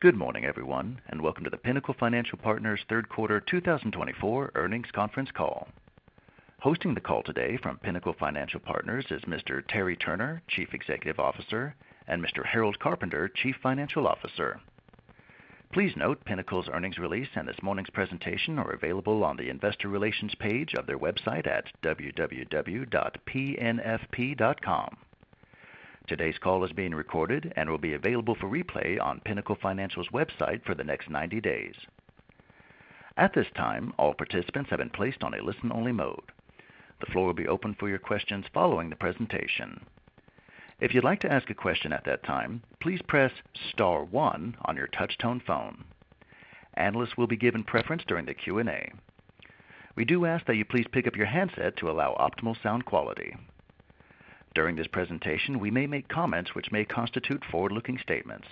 Good morning, everyone, and welcome to the Pinnacle Financial Partners third quarter two thousand and twenty-four earnings conference call. Hosting the call today from Pinnacle Financial Partners is Mr. Terry Turner, Chief Executive Officer, and Mr. Harold Carpenter, Chief Financial Officer. Please note Pinnacle's earnings release and this morning's presentation are available on the Investor Relations page of their website at www.pnfp.com. Today's call is being recorded and will be available for replay on Pinnacle Financial's website for the next ninety days. At this time, all participants have been placed on a listen-only mode. The floor will be open for your questions following the presentation. If you'd like to ask a question at that time, please press star one on your touch-tone phone. Analysts will be given preference during the Q&A. We do ask that you please pick up your handset to allow optimal sound quality. During this presentation, we may make comments which may constitute forward-looking statements.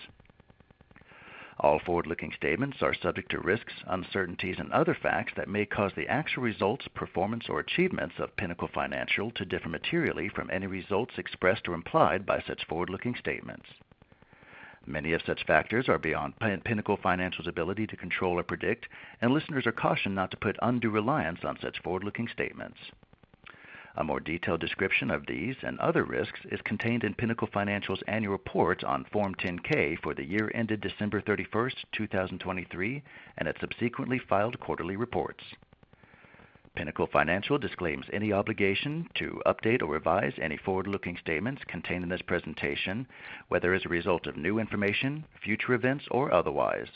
All forward-looking statements are subject to risks, uncertainties, and other facts that may cause the actual results, performance, or achievements of Pinnacle Financial to differ materially from any results expressed or implied by such forward-looking statements. Many of such factors are beyond Pinnacle Financial's ability to control or predict, and listeners are cautioned not to put undue reliance on such forward-looking statements. A more detailed description of these and other risks is contained in Pinnacle Financial's annual report on Form 10-K for the year ended December thirty-first, two thousand and twenty-three, and its subsequently filed quarterly reports. Pinnacle Financial disclaims any obligation to update or revise any forward-looking statements contained in this presentation, whether as a result of new information, future events, or otherwise.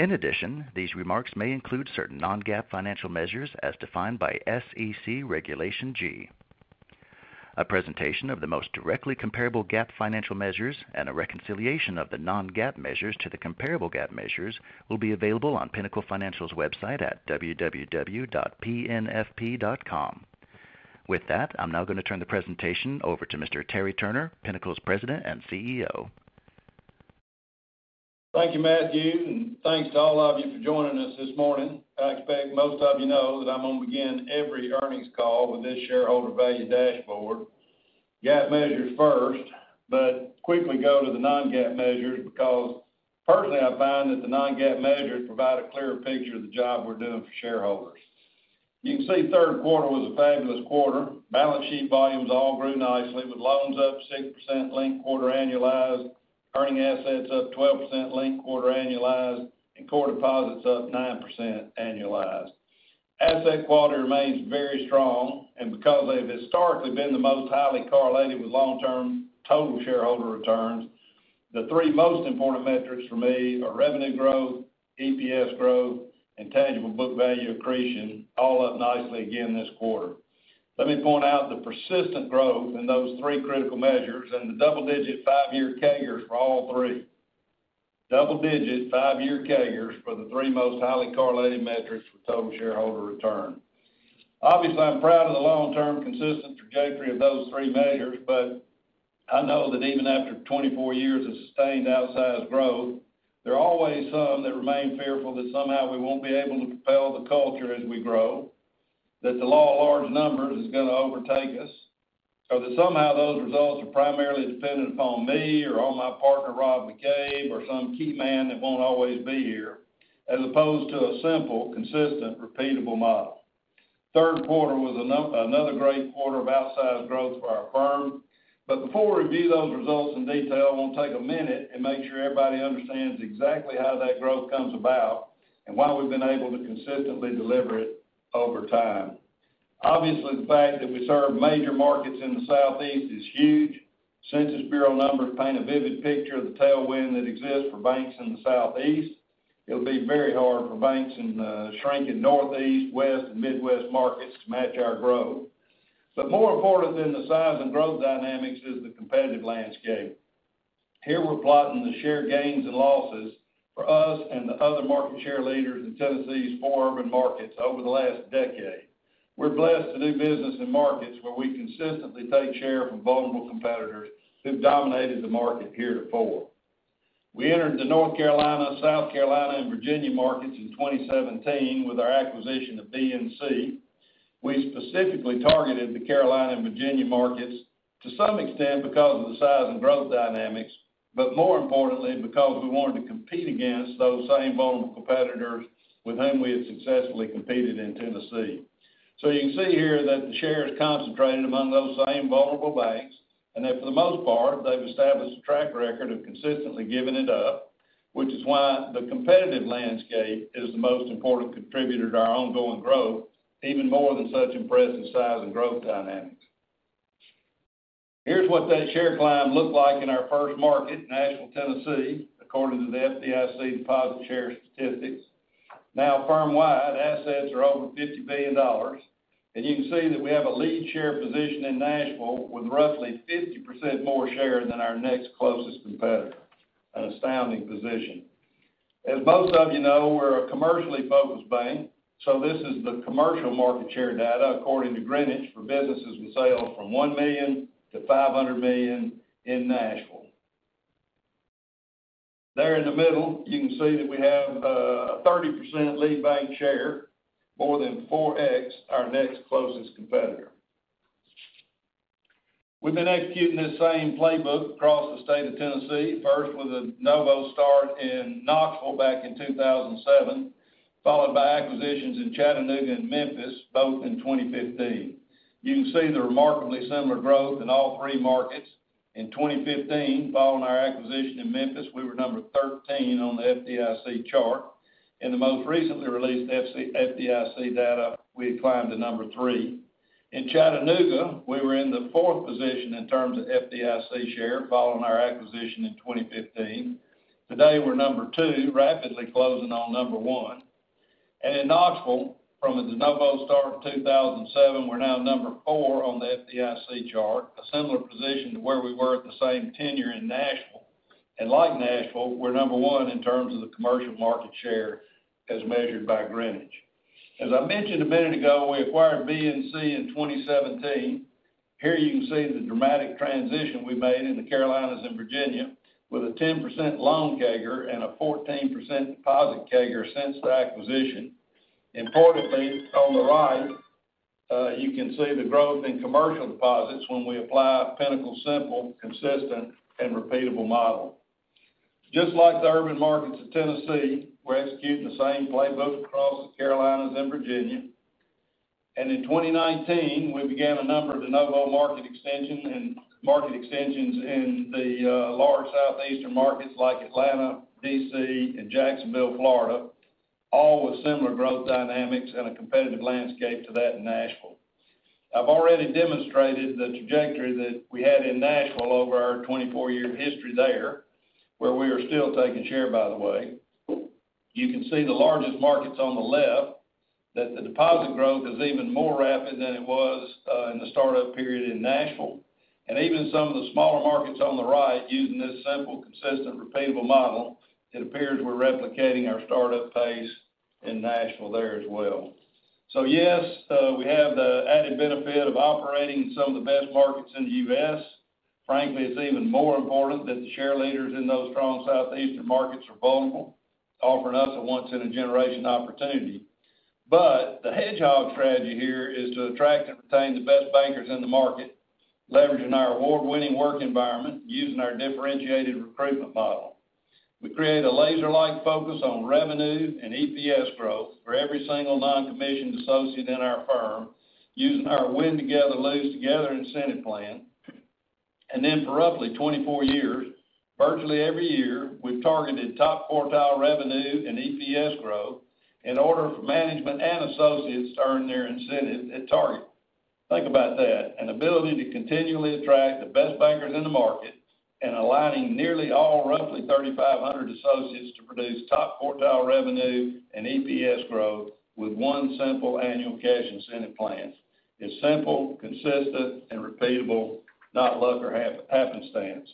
In addition, these remarks may include certain non-GAAP financial measures as defined by SEC Regulation G. A presentation of the most directly comparable GAAP financial measures and a reconciliation of the non-GAAP measures to the comparable GAAP measures will be available on Pinnacle Financial's website at www.pnfp.com. With that, I'm now going to turn the presentation over to Mr. Terry Turner, Pinnacle's President and CEO. Thank you, Matthew, and thanks to all of you for joining us this morning. I expect most of you know that I'm going to begin every earnings call with this shareholder value dashboard. GAAP measures first, but quickly go to the non-GAAP measures because personally, I find that the non-GAAP measures provide a clearer picture of the job we're doing for shareholders. You can see third quarter was a fabulous quarter. Balance sheet volumes all grew nicely, with loans up 6% linked quarter annualized, earning assets up 12% linked quarter annualized, and core deposits up 9% annualized. Asset quality remains very strong, and because they've historically been the most highly correlated with long-term total shareholder returns, the three most important metrics for me are revenue growth, EPS growth, and tangible book value accretion, all up nicely again this quarter. Let me point out the persistent growth in those three critical measures and the double-digit five-year CAGRs for all three. Double-digit, five-year CAGRs for the three most highly correlated metrics for total shareholder return. Obviously, I'm proud of the long-term consistent trajectory of those three measures, but I know that even after twenty-four years of sustained outsized growth, there are always some that remain fearful that somehow we won't be able to propel the culture as we grow, that the law of large numbers is going to overtake us, or that somehow those results are primarily dependent upon me or on my partner, Rob McCabe, or some key man that won't always be here, as opposed to a simple, consistent, repeatable model. Third quarter was another great quarter of outsized growth for our firm. But before we review those results in detail, I want to take a minute and make sure everybody understands exactly how that growth comes about and why we've been able to consistently deliver it over time. Obviously, the fact that we serve major markets in the Southeast is huge. U.S. Census Bureau numbers paint a vivid picture of the tailwind that exists for banks in the Southeast. It'll be very hard for banks in the shrinking Northeast, West, and Midwest markets to match our growth. But more important than the size and growth dynamics is the competitive landscape. Here, we're plotting the share gains and losses for us and the other market share leaders in Tennessee's four urban markets over the last decade. We're blessed to do business in markets where we consistently take share from vulnerable competitors who've dominated the market heretofore. We entered the North Carolina, South Carolina, and Virginia markets in 2017 with our acquisition of BNC. We specifically targeted the Carolina and Virginia markets to some extent because of the size and growth dynamics, but more importantly, because we wanted to compete against those same vulnerable competitors with whom we had successfully competed in Tennessee. So you can see here that the share is concentrated among those same vulnerable banks, and that for the most part, they've established a track record of consistently giving it up, which is why the competitive landscape is the most important contributor to our ongoing growth, even more than such impressive size and growth dynamics. Here's what that share climb looked like in our first market, Nashville, Tennessee, according to the FDIC deposit share statistics. Now, firm-wide, assets are over $50 billion, and you can see that we have a lead share position in Nashville with roughly 50% more share than our next closest competitor. An astounding position. As most of you know, we're a commercially focused bank, so this is the commercial market share data according to Greenwich, for businesses with sales from $1 million to $500 million in Nashville. There in the middle, you can see that we have a 30% lead bank share, more than 4X our next closest competitor. We've been executing this same playbook across the state of Tennessee, first with a de novo start in Knoxville back in 2007, followed by acquisitions in Chattanooga and Memphis, both in 2015. You can see the remarkably similar growth in all three markets. In twenty fifteen, following our acquisition in Memphis, we were number thirteen on the FDIC chart. In the most recently released FDIC data, we had climbed to number three. In Chattanooga, we were in the fourth position in terms of FDIC share, following our acquisition in twenty fifteen. Today, we're number two, rapidly closing on number one. And in Knoxville, from a de novo start in two thousand and seven, we're now number four on the FDIC chart, a similar position to where we were at the same tenure in Nashville. And like Nashville, we're number one in terms of the commercial market share as measured by Greenwich. As I mentioned a minute ago, we acquired BNC in twenty seventeen. Here you can see the dramatic transition we made in the Carolinas and Virginia, with a 10% loan CAGR and a 14% deposit CAGR since the acquisition. Importantly, on the right, you can see the growth in commercial deposits when we apply Pinnacle simple, consistent, and repeatable model. Just like the urban markets of Tennessee, we're executing the same playbook across the Carolinas and Virginia. And in twenty nineteen, we began a number of de novo market extension and market extensions in the large Southeastern markets like Atlanta, D.C., and Jacksonville, Florida, all with similar growth dynamics and a competitive landscape to that in Nashville. I've already demonstrated the trajectory that we had in Nashville over our twenty-four-year history there, where we are still taking share, by the way. You can see the largest markets on the left, that the deposit growth is even more rapid than it was in the startup period in Nashville. Even some of the smaller markets on the right, using this simple, consistent, repeatable model, it appears we're replicating our startup pace in Nashville there as well. Yes, we have the added benefit of operating in some of the best markets in the U.S. Frankly, it's even more important that the share leaders in those strong Southeastern markets are vulnerable, offering us a once-in-a-generation opportunity. The hedgehog strategy here is to attract and retain the best bankers in the market, leveraging our award-winning work environment, using our differentiated recruitment model. We create a laser-like focus on revenue and EPS growth for every single non-commissioned associate in our firm, using our Win Together, Lose Together incentive plan. And then for roughly twenty-four years, virtually every year, we've targeted top quartile revenue and EPS growth in order for management and associates to earn their incentive at target. Think about that, an ability to continually attract the best bankers in the market and aligning nearly all, roughly thirty-five hundred associates to produce top quartile revenue and EPS growth with one simple annual cash incentive plan. It's simple, consistent, and repeatable, not luck or happenstance.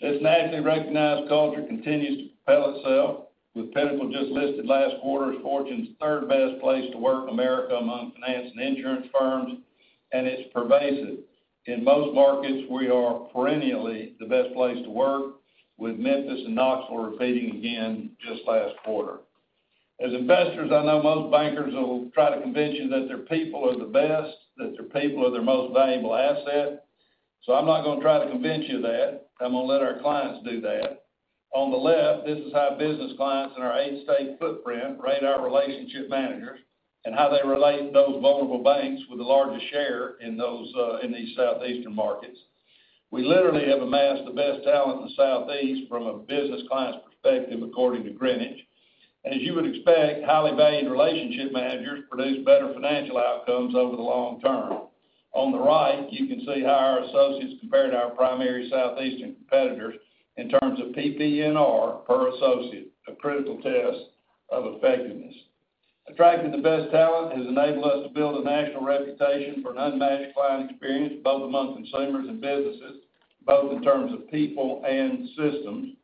This nationally recognized culture continues to propel itself, with Pinnacle just listed last quarter as Fortune's third best place to work in America among finance and insurance firms, and it's pervasive. In most markets, we are perennially the best place to work, with Memphis and Knoxville repeating again just last quarter. As investors, I know most bankers will try to convince you that their people are the best, that their people are their most valuable asset. So I'm not going to try to convince you of that. I'm going to let our clients do that. On the left, this is how business clients in our eight-state footprint rate our relationship managers and how they relate to those vulnerable banks with the largest share in those, in these Southeastern markets. We literally have amassed the best talent in the Southeast from a business clients perspective, according to Greenwich, and as you would expect, highly valued relationship managers produce better financial outcomes over the long term. On the right, you can see how our associates compare to our primary Southeastern competitors in terms of PPNR per associate, a critical test of effectiveness. Attracting the best talent has enabled us to build a national reputation for an unmatched client experience, both among consumers and businesses, both in terms of people and systems,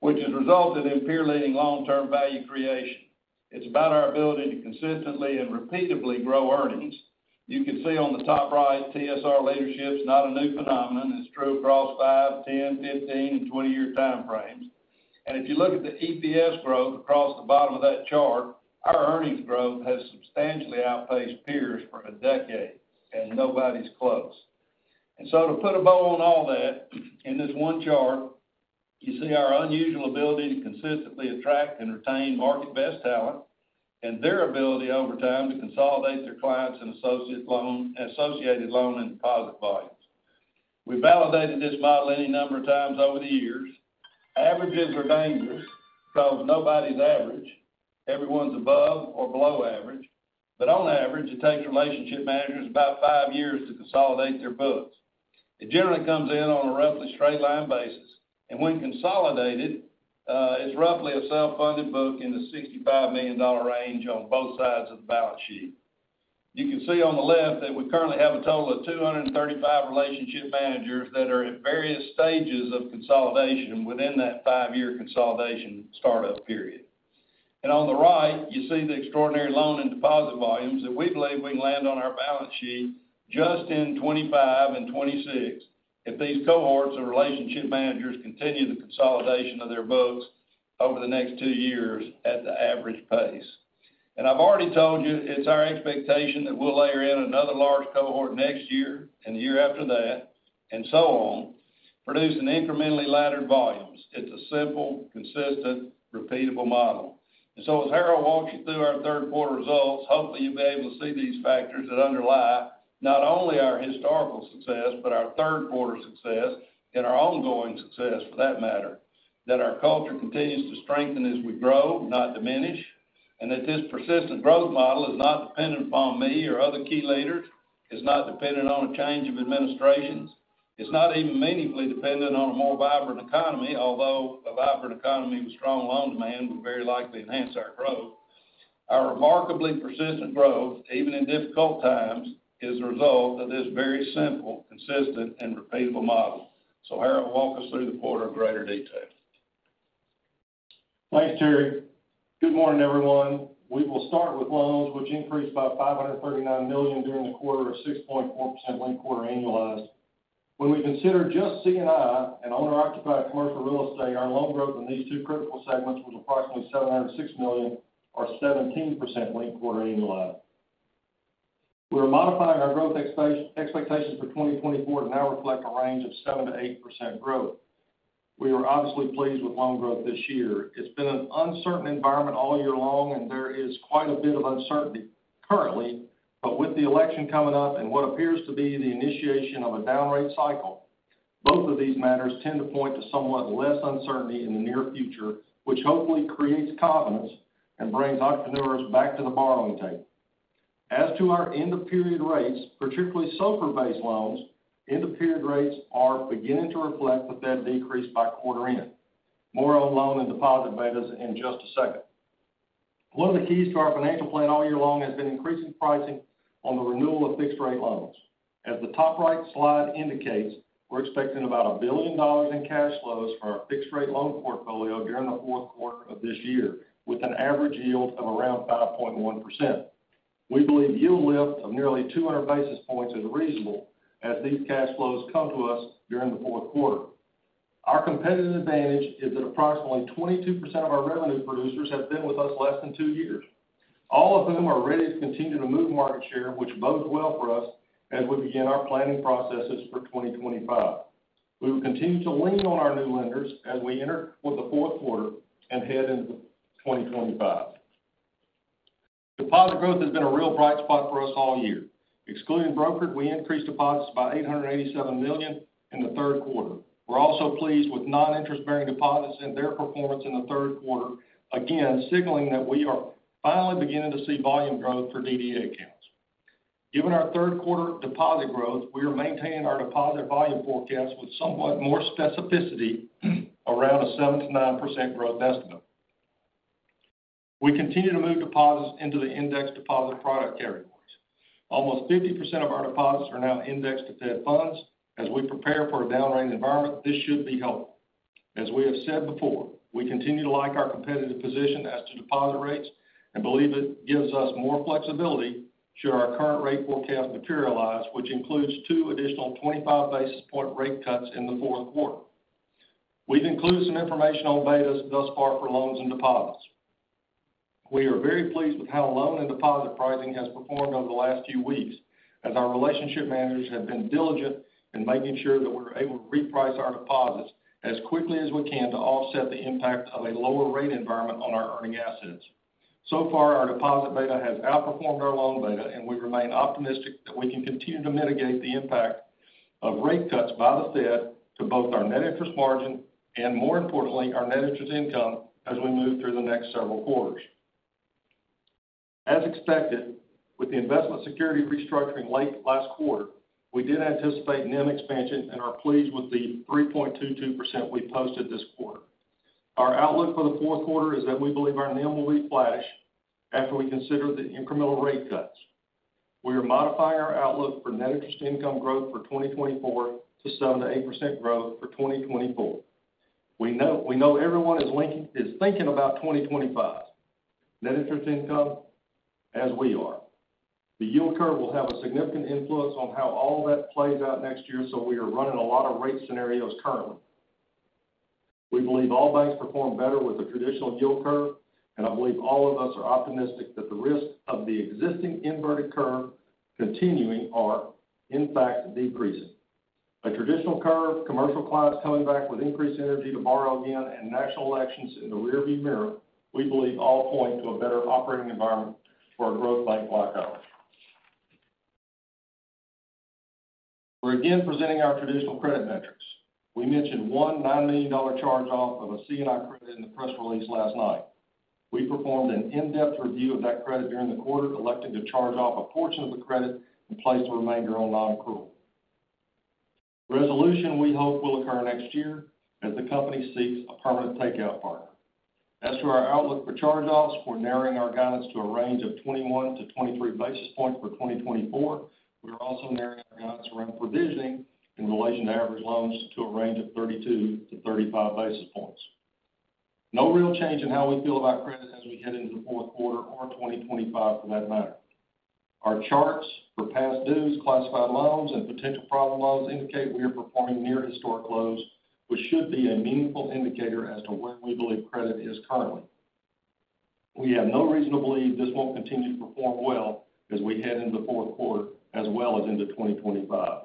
which has resulted in peer-leading long-term value creation. It's about our ability to consistently and repeatably grow earnings. You can see on the top right, TSR leadership is not a new phenomenon. It's true across five, ten, fifteen, and twenty-year time frames. And if you look at the EPS growth across the bottom of that chart, our earnings growth has substantially outpaced peers for a decade, and nobody's close. And so to put a bow on all that, in this one chart, you see our unusual ability to consistently attract and retain market-best talent, and their ability over time to consolidate their clients and associated loan and deposit volumes. We validated this model any number of times over the years. Averages are dangerous because nobody's average. Everyone's above or below average, but on average, it takes relationship managers about five years to consolidate their books. It generally comes in on a roughly straight line basis, and when consolidated, it's roughly a self-funded book in the $65 million range on both sides of the balance sheet. You can see on the left that we currently have a total of 235 relationship managers that are at various stages of consolidation within that five-year consolidation startup period, and on the right, you see the extraordinary loan and deposit volumes that we believe we can land on our balance sheet just in 2025 and 2026, if these cohorts of relationship managers continue the consolidation of their books over the next two years at the average pace.... and I've already told you, it's our expectation that we'll layer in another large cohort next year and the year after that, and so on, producing incrementally laddered volumes. It's a simple, consistent, repeatable model. And so as Harold walks you through our third quarter results, hopefully, you'll be able to see these factors that underlie not only our historical success, but our third quarter success, and our ongoing success, for that matter, that our culture continues to strengthen as we grow, not diminish, and that this persistent growth model is not dependent upon me or other key leaders, is not dependent on a change of administrations, is not even meaningfully dependent on a more vibrant economy, although a vibrant economy with strong loan demand would very likely enhance our growth. Our remarkably persistent growth, even in difficult times, is a result of this very simple, consistent, and repeatable model. So Harold, walk us through the quarter in greater detail. Thanks, Terry. Good morning, everyone. We will start with loans, which increased by $539 million during the quarter of 6.4% linked quarter annualized. When we consider just C&I and owner-occupied commercial real estate, our loan growth in these two critical segments was approximately $706 million or 17% linked quarter annualized. We're modifying our growth expectations for 2024 to now reflect a range of 7% to 8% growth. We are obviously pleased with loan growth this year. It's been an uncertain environment all year long, and there is quite a bit of uncertainty currently, but with the election coming up and what appears to be the initiation of a down rate cycle, both of these matters tend to point to somewhat less uncertainty in the near future, which hopefully creates confidence and brings entrepreneurs back to the borrowing table. As to our end-of-period rates, particularly SOFR-based loans. End-of-period rates are beginning to reflect, but they have decreased by quarter end. More on loan and deposit betas in just a second. One of the keys to our financial plan all year long has been increasing pricing on the renewal of fixed-rate loans. As the top right slide indicates, we're expecting about $1 billion in cash flows for our fixed-rate loan portfolio during the fourth quarter of this year, with an average yield of around 5.1%. We believe yield lift of nearly 200 basis points is reasonable as these cash flows come to us during the fourth quarter. Our competitive advantage is that approximately 22% of our revenue producers have been with us less than two years, all of whom are ready to continue to move market share, which bodes well for us as we begin our planning processes for 2025. We will continue to lean on our new lenders as we enter with the fourth quarter and head into 2025. Deposit growth has been a real bright spot for us all year. Excluding brokerage, we increased deposits by $887 million in the third quarter. We're also pleased with non-interest-bearing deposits and their performance in the third quarter, again, signaling that we are finally beginning to see volume growth for DDA accounts. Given our third quarter deposit growth, we are maintaining our deposit volume forecast with somewhat more specificity, around a 7%-9% growth estimate. We continue to move deposits into the index deposit product categories. Almost 50% of our deposits are now indexed to Fed funds. As we prepare for a down rating environment, this should be helpful. As we have said before, we continue to like our competitive position as to deposit rates and believe it gives us more flexibility, should our current rate forecast materialize, which includes two additional 25 basis point rate cuts in the fourth quarter. We've included some information on betas thus far for loans and deposits. We are very pleased with how loan and deposit pricing has performed over the last few weeks, as our relationship managers have been diligent in making sure that we're able to reprice our deposits as quickly as we can to offset the impact of a lower rate environment on our earning assets. So far, our deposit beta has outperformed our loan beta, and we remain optimistic that we can continue to mitigate the impact of rate cuts by the Fed to both our net interest margin, and more importantly, our net interest income as we move through the next several quarters. As expected, with the investment security restructuring late last quarter, we did anticipate NIM expansion and are pleased with the 3.22% we posted this quarter. Our outlook for the fourth quarter is that we believe our NIM will reflash after we consider the incremental rate cuts. We are modifying our outlook for net interest income growth for 2024 to 7%-8% growth for 2024. We know, we know everyone is thinking about 2025 net interest income, as we are. The yield curve will have a significant influence on how all that plays out next year, so we are running a lot of rate scenarios currently. We believe all banks perform better with a traditional yield curve, and I believe all of us are optimistic that the risk of the existing inverted curve continuing are, in fact, decreasing. A traditional curve, commercial clients coming back with increased energy to borrow again, and national elections in the rearview mirror, we believe all point to a better operating environment for a growth bank like ours. We're again presenting our traditional credit metrics. We mentioned $190 million charge-off of a C&I credit in the press release last night. We performed an in-depth review of that credit during the quarter, elected to charge off a portion of the credit, and placed the remainder on non-accrual. Resolution, we hope, will occur next year as the company seeks a permanent takeout partner. As to our outlook for charge-offs, we're narrowing our guidance to a range of 21-23 basis points for 2024. We are also narrowing our guidance around provisioning in relation to average loans to a range of 32-35 basis points. No real change in how we feel about credit as we head into the fourth quarter or 2025, for that matter.... Our charts for past dues, classified loans, and potential problem loans indicate we are performing near historic lows, which should be a meaningful indicator as to where we believe credit is currently. We have no reason to believe this won't continue to perform well as we head into the fourth quarter, as well as into 2025.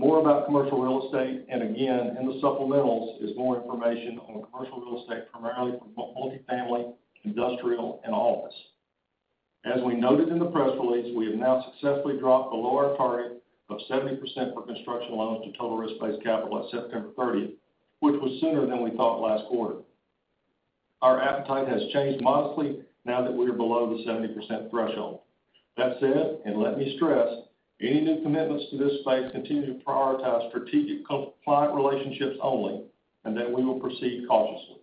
More about commercial real estate, and again, in the supplementals, is more information on commercial real estate, primarily for multifamily, industrial, and office. As we noted in the press release, we have now successfully dropped below our target of 70% for construction loans to total risk-based capital at September thirtieth, which was sooner than we thought last quarter. Our appetite has changed modestly now that we are below the 70% threshold. That said, and let me stress, any new commitments to this space continue to prioritize strategic key client relationships only, and that we will proceed cautiously.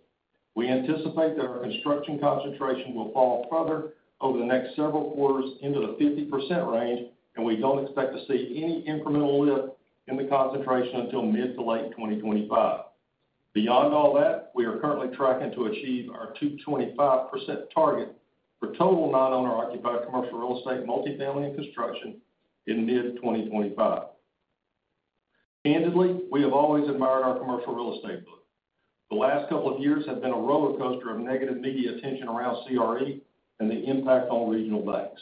We anticipate that our construction concentration will fall further over the next several quarters into the 50% range, and we don't expect to see any incremental lift in the concentration until mid to late 2025. Beyond all that, we are currently tracking to achieve our 2.25% target for total non-owner occupied commercial real estate, multifamily, and construction in mid-2025. Candidly, we have always admired our commercial real estate book. The last couple of years have been a rollercoaster of negative media attention around CRE and the impact on regional banks.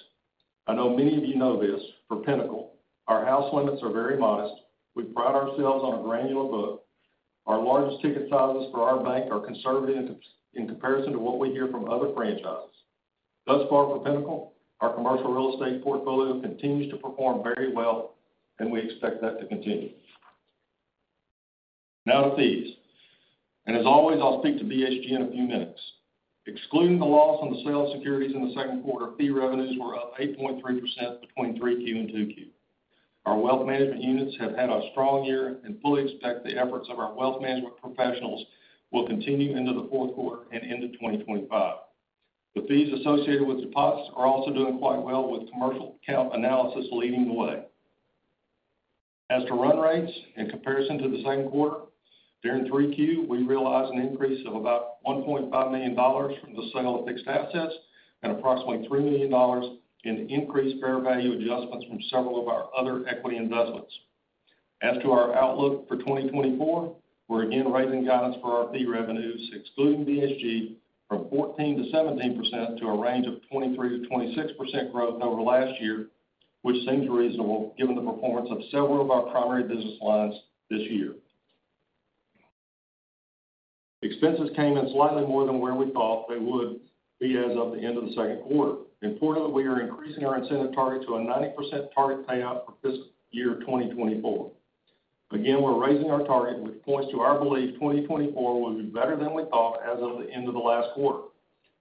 I know many of you know this. For Pinnacle, our house limits are very modest. We pride ourselves on a granular book. Our largest ticket sizes for our bank are conservative in comparison to what we hear from other franchises. Thus far, for Pinnacle, our commercial real estate portfolio continues to perform very well, and we expect that to continue. Now to fees, and as always, I'll speak to BHG in a few minutes. Excluding the loss on the sale of securities in the second quarter, fee revenues were up 8.3% between 3Q and 2Q. Our wealth management units have had a strong year and fully expect the efforts of our wealth management professionals will continue into the fourth quarter and into 2025. The fees associated with deposits are also doing quite well, with commercial account analysis leading the way. As to run rates, in comparison to the second quarter, during 3Q, we realized an increase of about $1.5 million from the sale of fixed assets and approximately $3 million in increased fair value adjustments from several of our other equity investments. As to our outlook for twenty twenty-four, we're again raising guidance for our fee revenues, excluding BHG, from 14%-17% to a range of 23%-26% growth over last year, which seems reasonable given the performance of several of our primary business lines this year. Expenses came in slightly more than where we thought they would be as of the end of the second quarter. Importantly, we are increasing our incentive target to a 90% target payout for fiscal year 2024. Again, we're raising our target, which points to our belief 2024 will be better than we thought as of the end of the last quarter.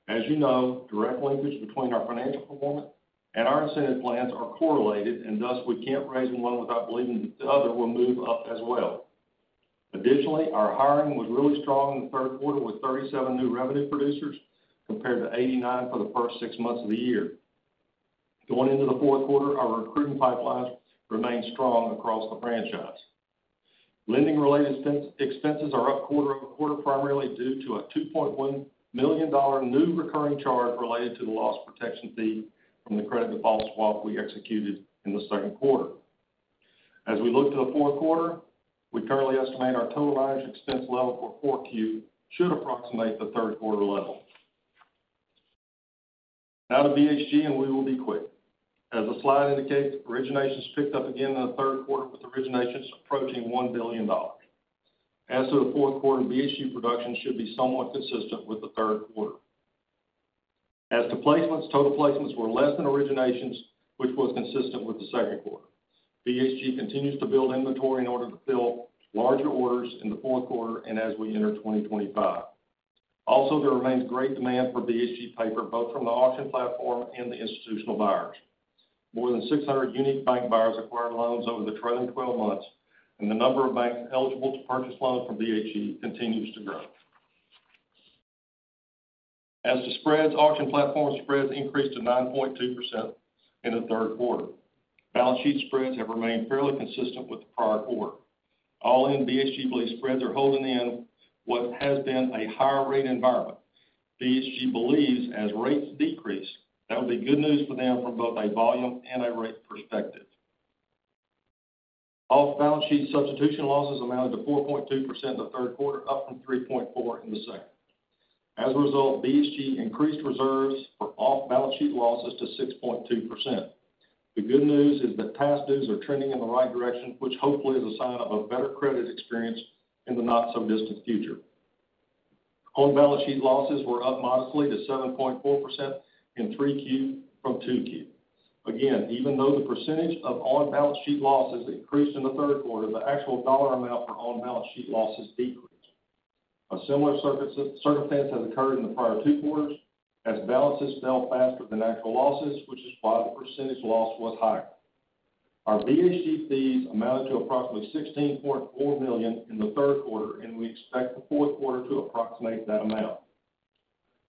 As you know, direct linkage between our financial performance and our incentive plans are correlated, and thus, we can't raise one without believing the other will move up as well. Additionally, our hiring was really strong in the third quarter, with 37 new revenue producers, compared to 89 for the first six months of the year. Going into the fourth quarter, our recruiting pipeline remains strong across the franchise. Lending-related expenses are up quarter over quarter, primarily due to a $2.1 million new recurring charge related to the loss protection fee from the credit default swap we executed in the second quarter. As we look to the fourth quarter, we currently estimate our total non-interest expense level for 4Q should approximate the third quarter level. Now to BHG, and we will be quick. As the slide indicates, originations picked up again in the third quarter, with originations approaching $1 billion. As to the fourth quarter, BHG production should be somewhat consistent with the third quarter. As to placements, total placements were less than originations, which was consistent with the second quarter. BHG continues to build inventory in order to fill larger orders in the fourth quarter and as we enter 2025. Also, there remains great demand for BHG paper, both from the auction platform and the institutional buyers. More than six hundred unique bank buyers acquired loans over the trailing twelve months, and the number of banks eligible to purchase loans from BHG continues to grow. As to spreads, auction platform spreads increased to 9.2% in the third quarter. Balance sheet spreads have remained fairly consistent with the prior quarter. All in, BHG believes spreads are holding in what has been a higher rate environment. BHG believes as rates decrease, that will be good news for them from both a volume and a rate perspective. Off-balance sheet substitution losses amounted to 4.2% in the third quarter, up from 3.4% in the second. As a result, BHG increased reserves for off-balance sheet losses to 6.2%. The good news is that past dues are trending in the right direction, which hopefully is a sign of a better credit experience in the not-so-distant future. On-balance sheet losses were up modestly to 7.4% in 3Q from 2Q. Again, even though the percentage of on-balance sheet losses increased in the third quarter, the actual dollar amount for on-balance sheet losses decreased. A similar circumstance has occurred in the prior two quarters, as balances fell faster than actual losses, which is why the percentage loss was higher. Our BHG fees amounted to approximately $16.4 million in the third quarter, and we expect the fourth quarter to approximate that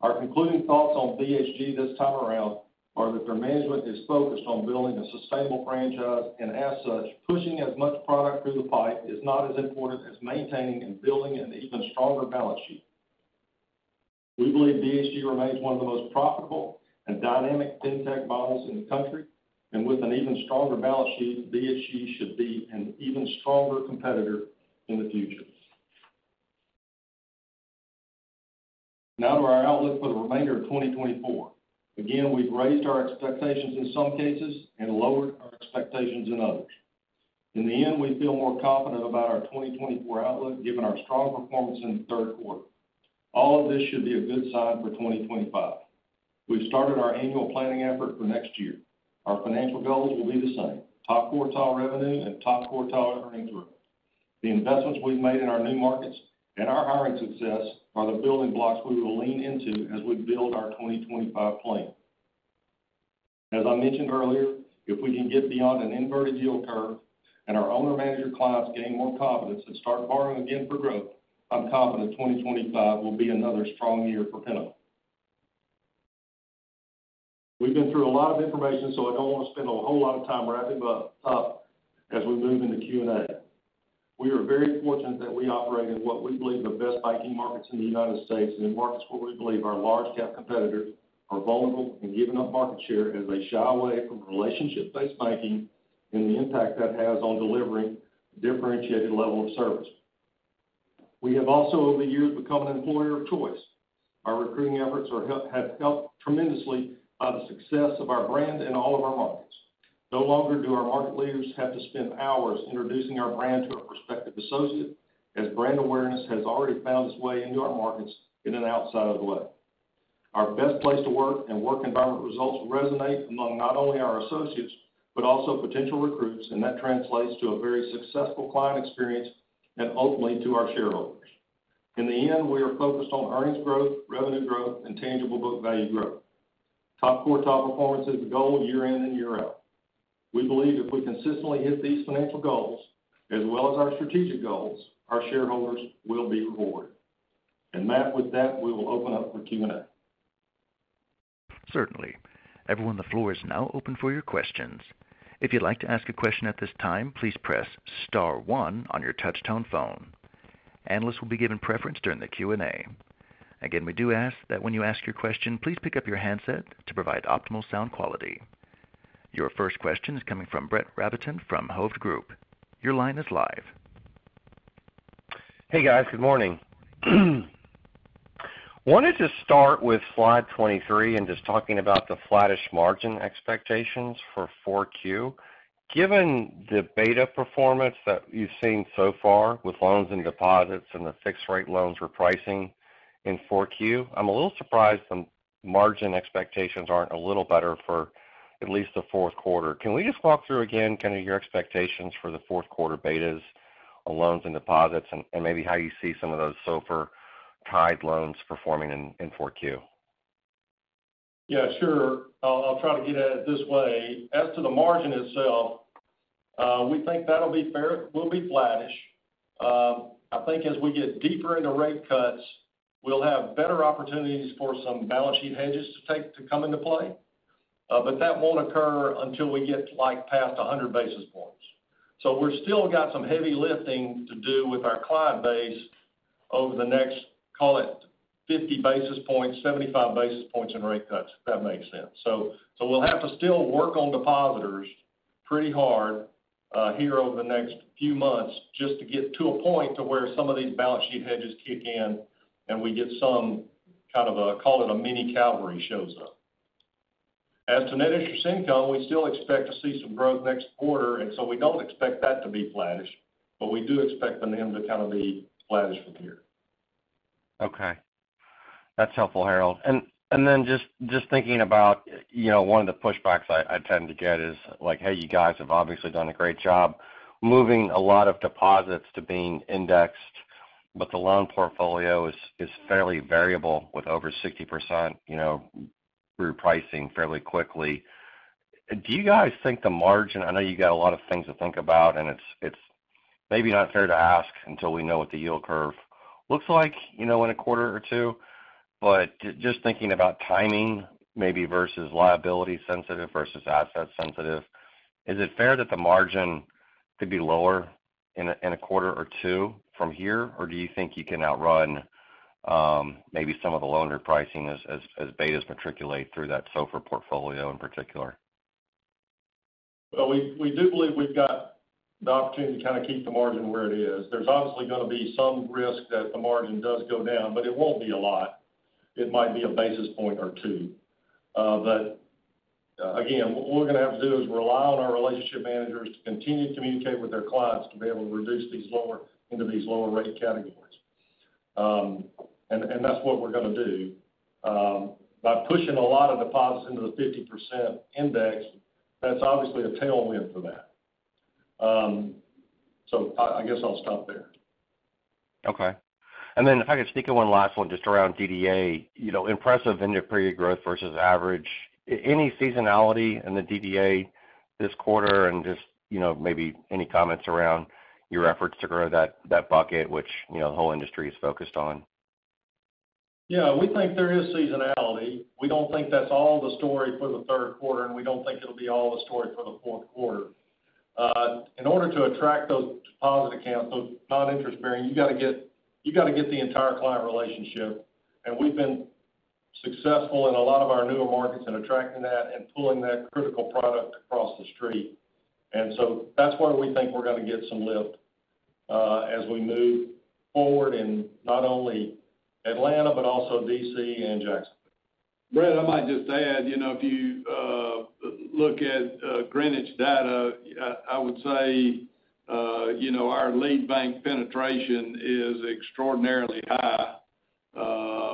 amount. Our concluding thoughts on BHG this time around are that their management is focused on building a sustainable franchise, and as such, pushing as much product through the pipe is not as important as maintaining and building an even stronger balance sheet. We believe BHG remains one of the most profitable and dynamic fintech models in the country, and with an even stronger balance sheet, BHG should be an even stronger competitor in the future. Now to our outlook for the remainder of 2024. Again, we've raised our expectations in some cases and lowered our expectations in others. In the end, we feel more confident about our 2024 outlook, given our strong performance in the third quarter. All of this should be a good sign for 2025. We've started our annual planning effort for next year. Our financial goals will be the same, top quartile revenue and top quartile earnings growth. The investments we've made in our new markets and our hiring success are the building blocks we will lean into as we build our 2025 plan. As I mentioned earlier, if we can get beyond an inverted yield curve and our owner manager clients gain more confidence and start borrowing again for growth, I'm confident 2025 will be another strong year for Pinnacle. We've been through a lot of information, so I don't want to spend a whole lot of time wrapping it up as we move into Q&A. We are very fortunate that we operate in what we believe the best banking markets in the United States, and in markets where we believe our large cap competitors are vulnerable and giving up market share as they shy away from relationship-based banking and the impact that has on delivering differentiated level of service. We have also, over the years, become an employer of choice. Our recruiting efforts have helped tremendously by the success of our brand in all of our markets. No longer do our market leaders have to spend hours introducing our brand to a prospective associate, as brand awareness has already found its way into our markets in and outside of the way. Our best place to work and work environment results resonate among not only our associates, but also potential recruits, and that translates to a very successful client experience and ultimately to our shareholders. In the end, we are focused on earnings growth, revenue growth, and tangible book value growth. Top quartile performance is the goal, year in and year out. We believe if we consistently hit these financial goals as well as our strategic goals, our shareholders will be rewarded. And Matt, with that, we will open up for Q&A. Certainly. Everyone, the floor is now open for your questions. If you'd like to ask a question at this time, please press star one on your touchtone phone. Analysts will be given preference during the Q&A. Again, we do ask that when you ask your question, please pick up your handset to provide optimal sound quality. Your first question is coming from Brett Rabatin from Hovde Group. Your line is live. Hey, guys. Good morning. Wanted to start with slide 23 and just talking about the flattish margin expectations for 4Q. Given the beta performance that you've seen so far with loans and deposits and the fixed rate loans repricing in 4Q, I'm a little surprised the margin expectations aren't a little better for at least the fourth quarter. Can we just walk through again, kind of, your expectations for the fourth quarter betas on loans and deposits, and maybe how you see some of those SOFR tied loans performing in 4Q? Yeah, sure. I'll try to get at it this way. As to the margin itself, we think that'll be fair, will be flattish. I think as we get deeper into rate cuts, we'll have better opportunities for some balance sheet hedges to take to come into play, but that won't occur until we get to, like, past 100 basis points. So we've still got some heavy lifting to do with our client base over the next, call it, 50-75 basis points in rate cuts, if that makes sense. So we'll have to still work on depositors pretty hard, here over the next few months just to get to a point to where some of these balance sheet hedges kick in and we get some kind of a, call it, a mini cavalry shows up. As to net interest income, we still expect to see some growth next quarter, and so we don't expect that to be flattish, but we do expect the NIM to kind of be flattish from here. Okay. That's helpful, Harold. And then just thinking about, you know, one of the pushbacks I tend to get is, like, "Hey, you guys have obviously done a great job moving a lot of deposits to being indexed, but the loan portfolio is fairly variable, with over 60%, you know, repricing fairly quickly." Do you guys think the margin... I know you got a lot of things to think about, and it's maybe not fair to ask until we know what the yield curve looks like, you know, in a quarter or two. But just thinking about timing, maybe versus liability sensitive versus asset sensitive, is it fair that the margin could be lower in a quarter or two from here? Or do you think you can outrun, maybe some of the loan repricing as betas filter through that SOFR portfolio in particular? We do believe we've got the opportunity to kind of keep the margin where it is. There's obviously gonna be some risk that the margin does go down, but it won't be a lot. It might be a basis point or two. But again, what we're gonna have to do is rely on our relationship managers to continue to communicate with their clients to be able to reduce these lower into these lower rate categories. And that's what we're gonna do. By pushing a lot of deposits into the 50% index, that's obviously a tailwind for that. So I guess I'll stop there. Okay. And then if I could sneak in one last one, just around DDA. You know, impressive end of period growth versus average. Any seasonality in the DDA this quarter, and just, you know, maybe any comments around your efforts to grow that, that bucket, which, you know, the whole industry is focused on? Yeah, we think there is seasonality. We don't think that's all the story for the third quarter, and we don't think it'll be all the story for the fourth quarter.... in order to attract those deposit accounts, those non-interest bearing, you gotta get, you gotta get the entire client relationship. And we've been successful in a lot of our newer markets in attracting that and pulling that critical product across the street. And so that's where we think we're gonna get some lift, as we move forward in not only Atlanta, but also DC and Jacksonville. Brett, I might just add, you know, if you look at Greenwich data, I would say, you know, our lead bank penetration is extraordinarily high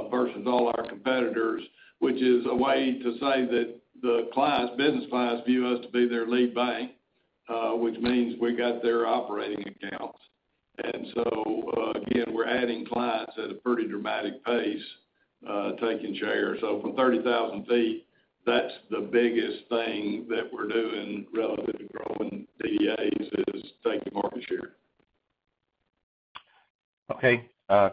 versus all our competitors, which is a way to say that the clients, business clients, view us to be their lead bank, which means we got their operating accounts. And so, again, we're adding clients at a pretty dramatic pace, taking share. So from thirty thousand feet, that's the biggest thing that we're doing relative to growing DDAs, is taking market share. Okay,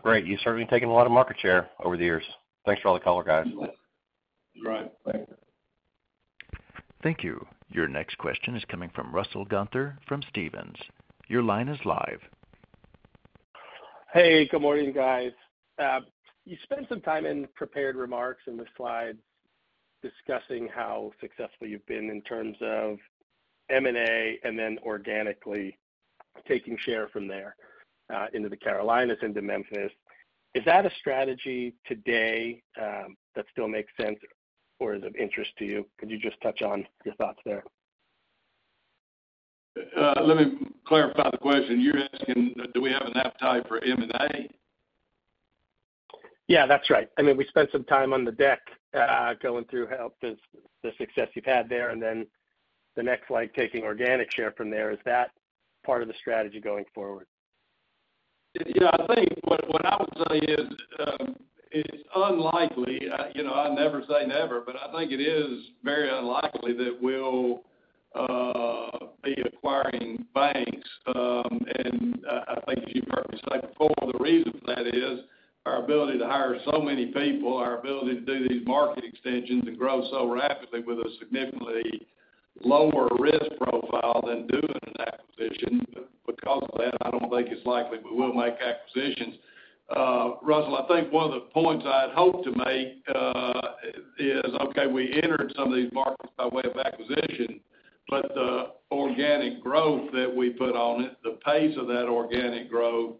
great. You've certainly taken a lot of market share over the years. Thanks for all the color, guys. Right. Thank you. Thank you. Your next question is coming from Russell Gunther from Stephens. Your line is live. Hey, good morning, guys. You spent some time in prepared remarks in the slide discussing how successful you've been in terms of M&A, and then organically taking share from there into the Carolinas into Memphis. Is that a strategy today that still makes sense or is of interest to you? Could you just touch on your thoughts there? Let me clarify the question. You're asking, do we have an appetite for M&A? Yeah, that's right. I mean, we spent some time on the deck, going through how the success you've had there, and then the next slide, taking organic share from there. Is that part of the strategy going forward? Yeah, I think what I would say is, it's unlikely, you know, I never say never, but I think it is very unlikely that we'll be acquiring banks. And, I think, as you correctly said before, the reason for that is our ability to hire so many people, our ability to do these market extensions and grow so rapidly with a significantly lower risk profile than doing an acquisition. Because of that, I don't think it's likely we will make acquisitions. Russell, I think one of the points I'd hoped to make is, okay, we entered some of these markets by way of acquisition, but the organic growth that we put on it, the pace of that organic growth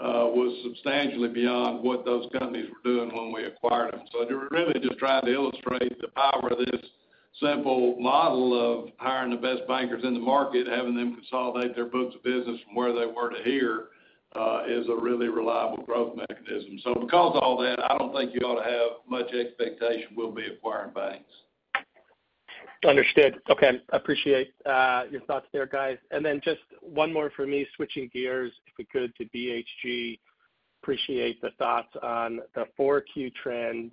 was substantially beyond what those companies were doing when we acquired them. To really just try to illustrate the power of this simple model of hiring the best bankers in the market, having them consolidate their books of business from where they were to here, is a really reliable growth mechanism. Because of all that, I don't think you ought to have much expectation we'll be acquiring banks. Understood. Okay, appreciate your thoughts there, guys. And then just one more for me, switching gears, if we could, to BHG. Appreciate the thoughts on the 4Q trend.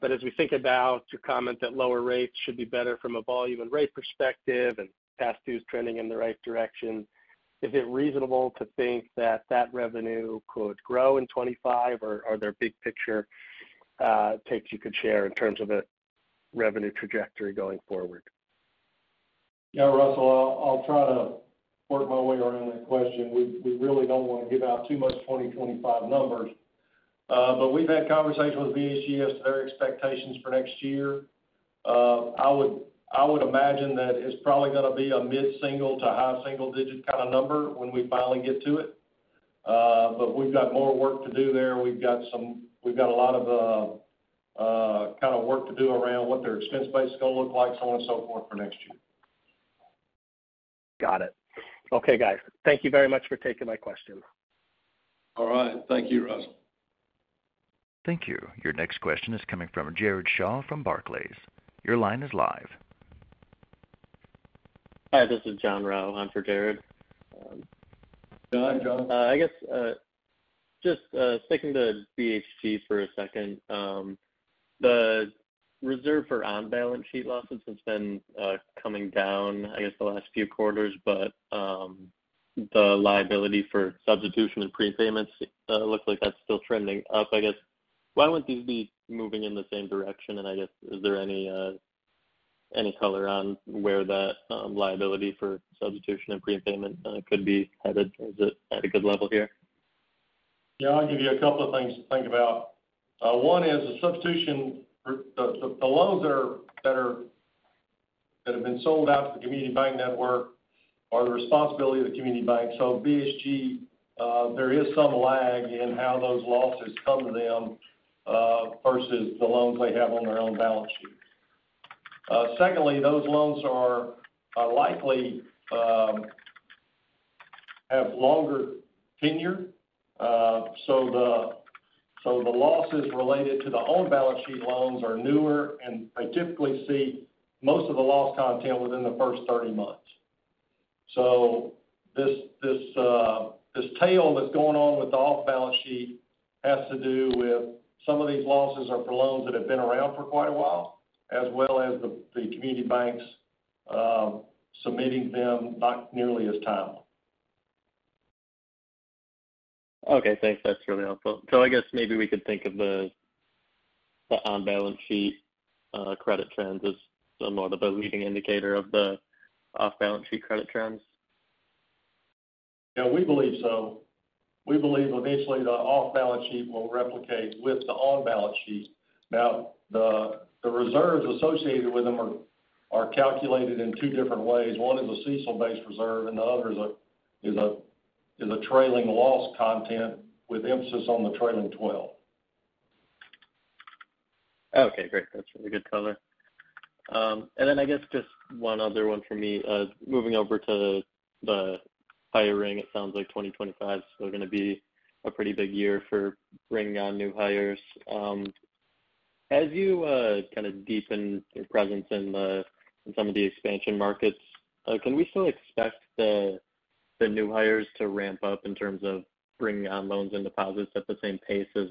But as we think about your comment that lower rates should be better from a volume and rate perspective, and past due is trending in the right direction, is it reasonable to think that that revenue could grow in 2025, or, are there big picture takes you could share in terms of the revenue trajectory going forward? Yeah, Russell, I'll try to work my way around that question. We really don't want to give out too much 2025 numbers, but we've had conversations with BHG as to their expectations for next year. I would imagine that it's probably gonna be a mid-single to high single digit kind of number when we finally get to it, but we've got more work to do there. We've got a lot of kind of work to do around what their expense base is gonna look like, so on and so forth for next year. Got it. Okay, guys. Thank you very much for taking my question. All right. Thank you, Russell. Thank you. Your next question is coming from Jared Shaw from Barclays. Your line is live. Hi, this is John Rao. I'm for Jared. Go ahead, John. I guess, just, sticking to BHG for a second. The reserve for on-balance sheet losses has been, coming down, I guess, the last few quarters, but, the liability for substitution and prepayments, looks like that's still trending up. I guess, why would these be moving in the same direction? And I guess, is there any, any color on where that, liability for substitution and prepayment, could be headed? Is it at a good level here? Yeah, I'll give you a couple of things to think about. One is the substitution for the loans that have been sold out to the community bank network are the responsibility of the community bank. So BHG, there is some lag in how those losses come to them versus the loans they have on their own balance sheet. Secondly, those loans are likely have longer tenure. So the losses related to the on-balance sheet loans are newer, and I typically see most of the loss content within the first thirty months. This tail that's going on with the off-balance sheet has to do with some of these losses are for loans that have been around for quite a while, as well as the community banks submitting them not nearly as timely. Okay, thanks. That's really helpful. So I guess maybe we could think of the on-balance sheet credit trends as more of the leading indicator of the off-balance sheet credit trends? Yeah, we believe so. We believe eventually the off-balance sheet will replicate with the on-balance sheet. Now, the reserves associated with them are calculated in two different ways. One is a CECL-based reserve, and the other is a trailing loss content with emphasis on the trailing twelve. Okay, great. That's really good color. And then I guess just one other one for me. Moving over to the hiring, it sounds like 2025 is still gonna be a pretty big year for bringing on new hires. As you kind of deepen your presence in the, in some of the expansion markets, can we still expect the new hires to ramp up in terms of bringing on loans and deposits at the same pace as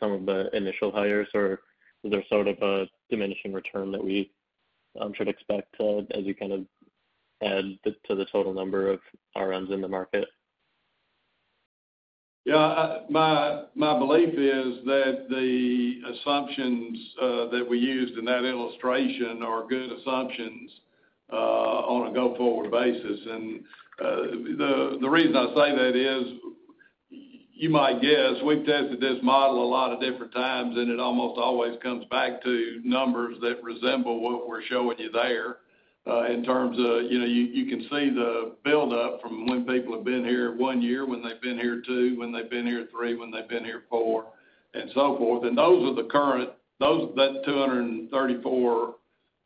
some of the initial hires? Or is there sort of a diminishing return that we should expect as you kind of add to the total number of RMs in the market? Yeah, my belief is that the assumptions that we used in that illustration are good assumptions on a go-forward basis. And the reason I say that is, you might guess, we've tested this model a lot of different times, and it almost always comes back to numbers that resemble what we're showing you there. In terms of, you know, you can see the buildup from when people have been here one year, when they've been here two, when they've been here three, when they've been here four, and so forth. And those are the current two hundred and thirty-four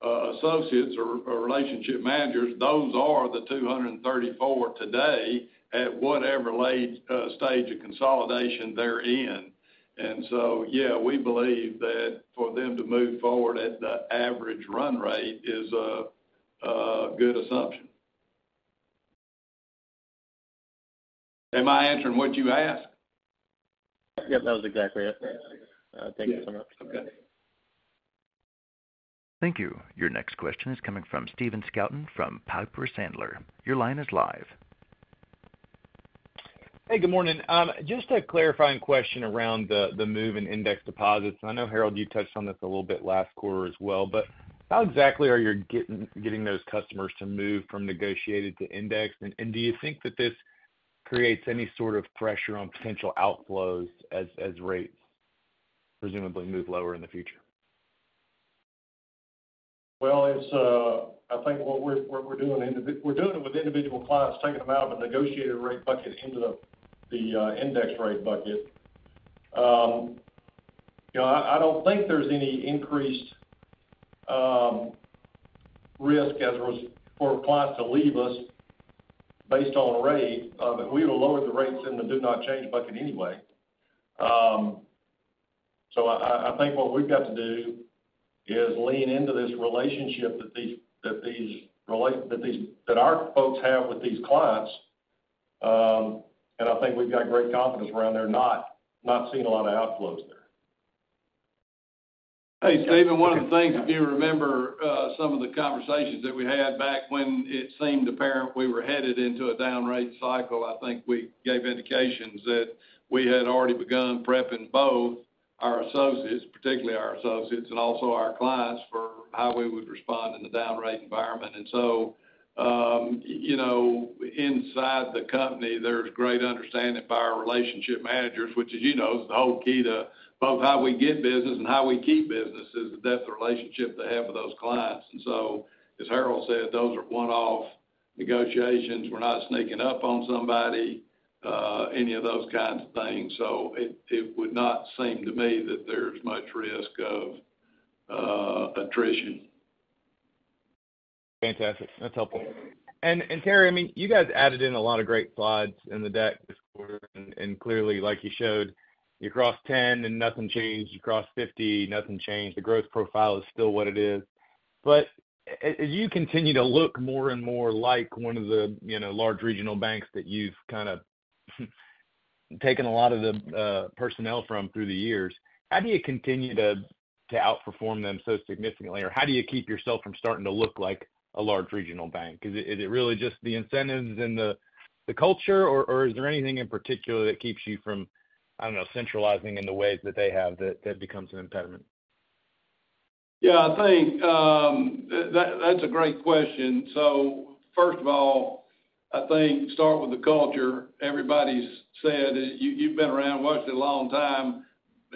associates or relationship managers. Those are the two hundred and thirty-four today at whatever stage of consolidation they're in. And so, yeah, we believe that for them to move forward at the average run rate is a good assumption. Am I answering what you asked? Yep, that was exactly it. Thank you so much. Okay. Thank you. Your next question is coming from Stephen Scouten, from Piper Sandler. Your line is live. Hey, good morning. Just a clarifying question around the move in index deposits. I know, Harold, you touched on this a little bit last quarter as well, but how exactly are you getting those customers to move from negotiated to index? And do you think that this creates any sort of pressure on potential outflows as rates presumably move lower in the future? It's, I think what we're doing with individual clients, taking them out of a negotiated rate bucket into the index rate bucket. You know, I don't think there's any increased risk as a result for clients to leave us based on rate. We will lower the rates in the do not change bucket anyway. So I think what we've got to do is lean into this relationship that our folks have with these clients. And I think we've got great confidence around there, not seeing a lot of outflows there. Hey, Steven, one of the things, if you remember, some of the conversations that we had back when it seemed apparent we were headed into a down rate cycle, I think we gave indications that we had already begun prepping both our associates, particularly our associates, and also our clients, for how we would respond in the down rate environment. And so, you know, inside the company, there's great understanding by our relationship managers, which, as you know, is the whole key to both how we get business and how we keep business, is the depth of relationship they have with those clients. And so, as Harold said, those are one-off negotiations. We're not sneaking up on somebody, any of those kinds of things. So it would not seem to me that there's much risk of attrition. Fantastic. That's helpful. And Terry, I mean, you guys added in a lot of great slides in the deck this quarter, and clearly, like you showed, you crossed ten, and nothing changed. You crossed fifty, nothing changed. The growth profile is still what it is. But as you continue to look more and more like one of the, you know, large regional banks that you've kind of taken a lot of the personnel from through the years, how do you continue to outperform them so significantly? Or how do you keep yourself from starting to look like a large regional bank? Is it really just the incentives and the culture, or is there anything in particular that keeps you from, I don't know, centralizing in the ways that they have, that becomes an impediment? Yeah, I think that, that's a great question. So first of all, I think start with the culture. Everybody's said, you, you've been around us a long time.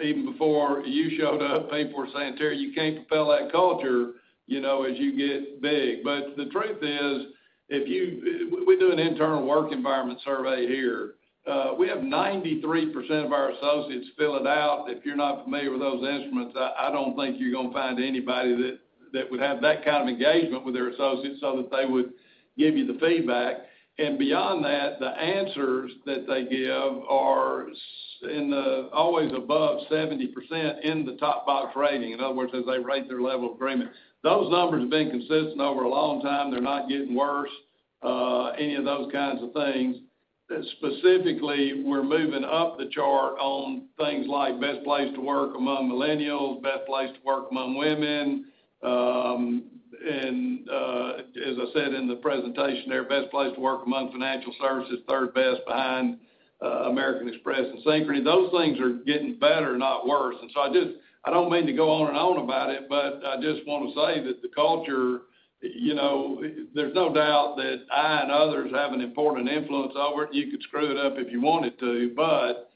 Even before you showed up, people were saying, "Terry, you can't propel that culture, you know, as you get big." But the truth is, we do an internal work environment survey here. We have 93% of our associates fill it out. If you're not familiar with those instruments, I don't think you're gonna find anybody that would have that kind of engagement with their associates so that they would give you the feedback. And beyond that, the answers that they give are scoring always above 70% in the top box rating. In other words, as they rate their level of agreement. Those numbers have been consistent over a long time. They're not getting worse, any of those kinds of things. Specifically, we're moving up the chart on things like best place to work among millennials, best place to work among women.... as I said in the presentation there, best place to work among financial services, third best behind, American Express and Synchrony. Those things are getting better, not worse. And so I just. I don't mean to go on and on about it, but I just want to say that the culture, you know, there's no doubt that I and others have an important influence over it. You could screw it up if you wanted to, but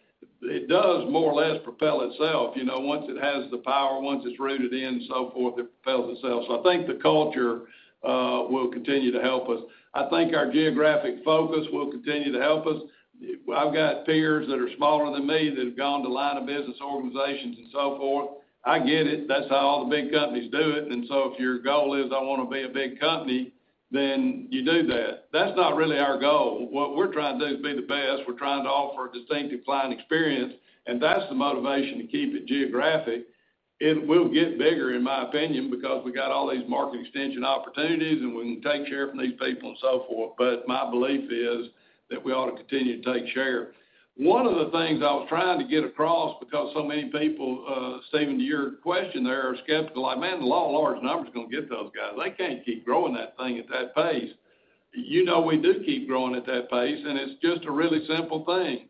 it does more or less propel itself. You know, once it has the power, once it's rooted in, so forth, it propels itself. So I think the culture, will continue to help us. I think our geographic focus will continue to help us. I've got peers that are smaller than me that have gone to line of business organizations and so forth. I get it. That's how all the big companies do it, and so if your goal is, I want to be a big company, then you do that. That's not really our goal. What we're trying to do is be the best. We're trying to offer a distinctive client experience, and that's the motivation to keep it geographic. It will get bigger, in my opinion, because we got all these market extension opportunities, and we can take care of these people and so forth, but my belief is that we ought to continue to take share. One of the things I was trying to get across, because so many people, Stephen, to your question, there are skeptical, like, "Man, the law of large numbers is going to get those guys. They can't keep growing that thing at that pace." You know, we do keep growing at that pace, and it's just a really simple thing.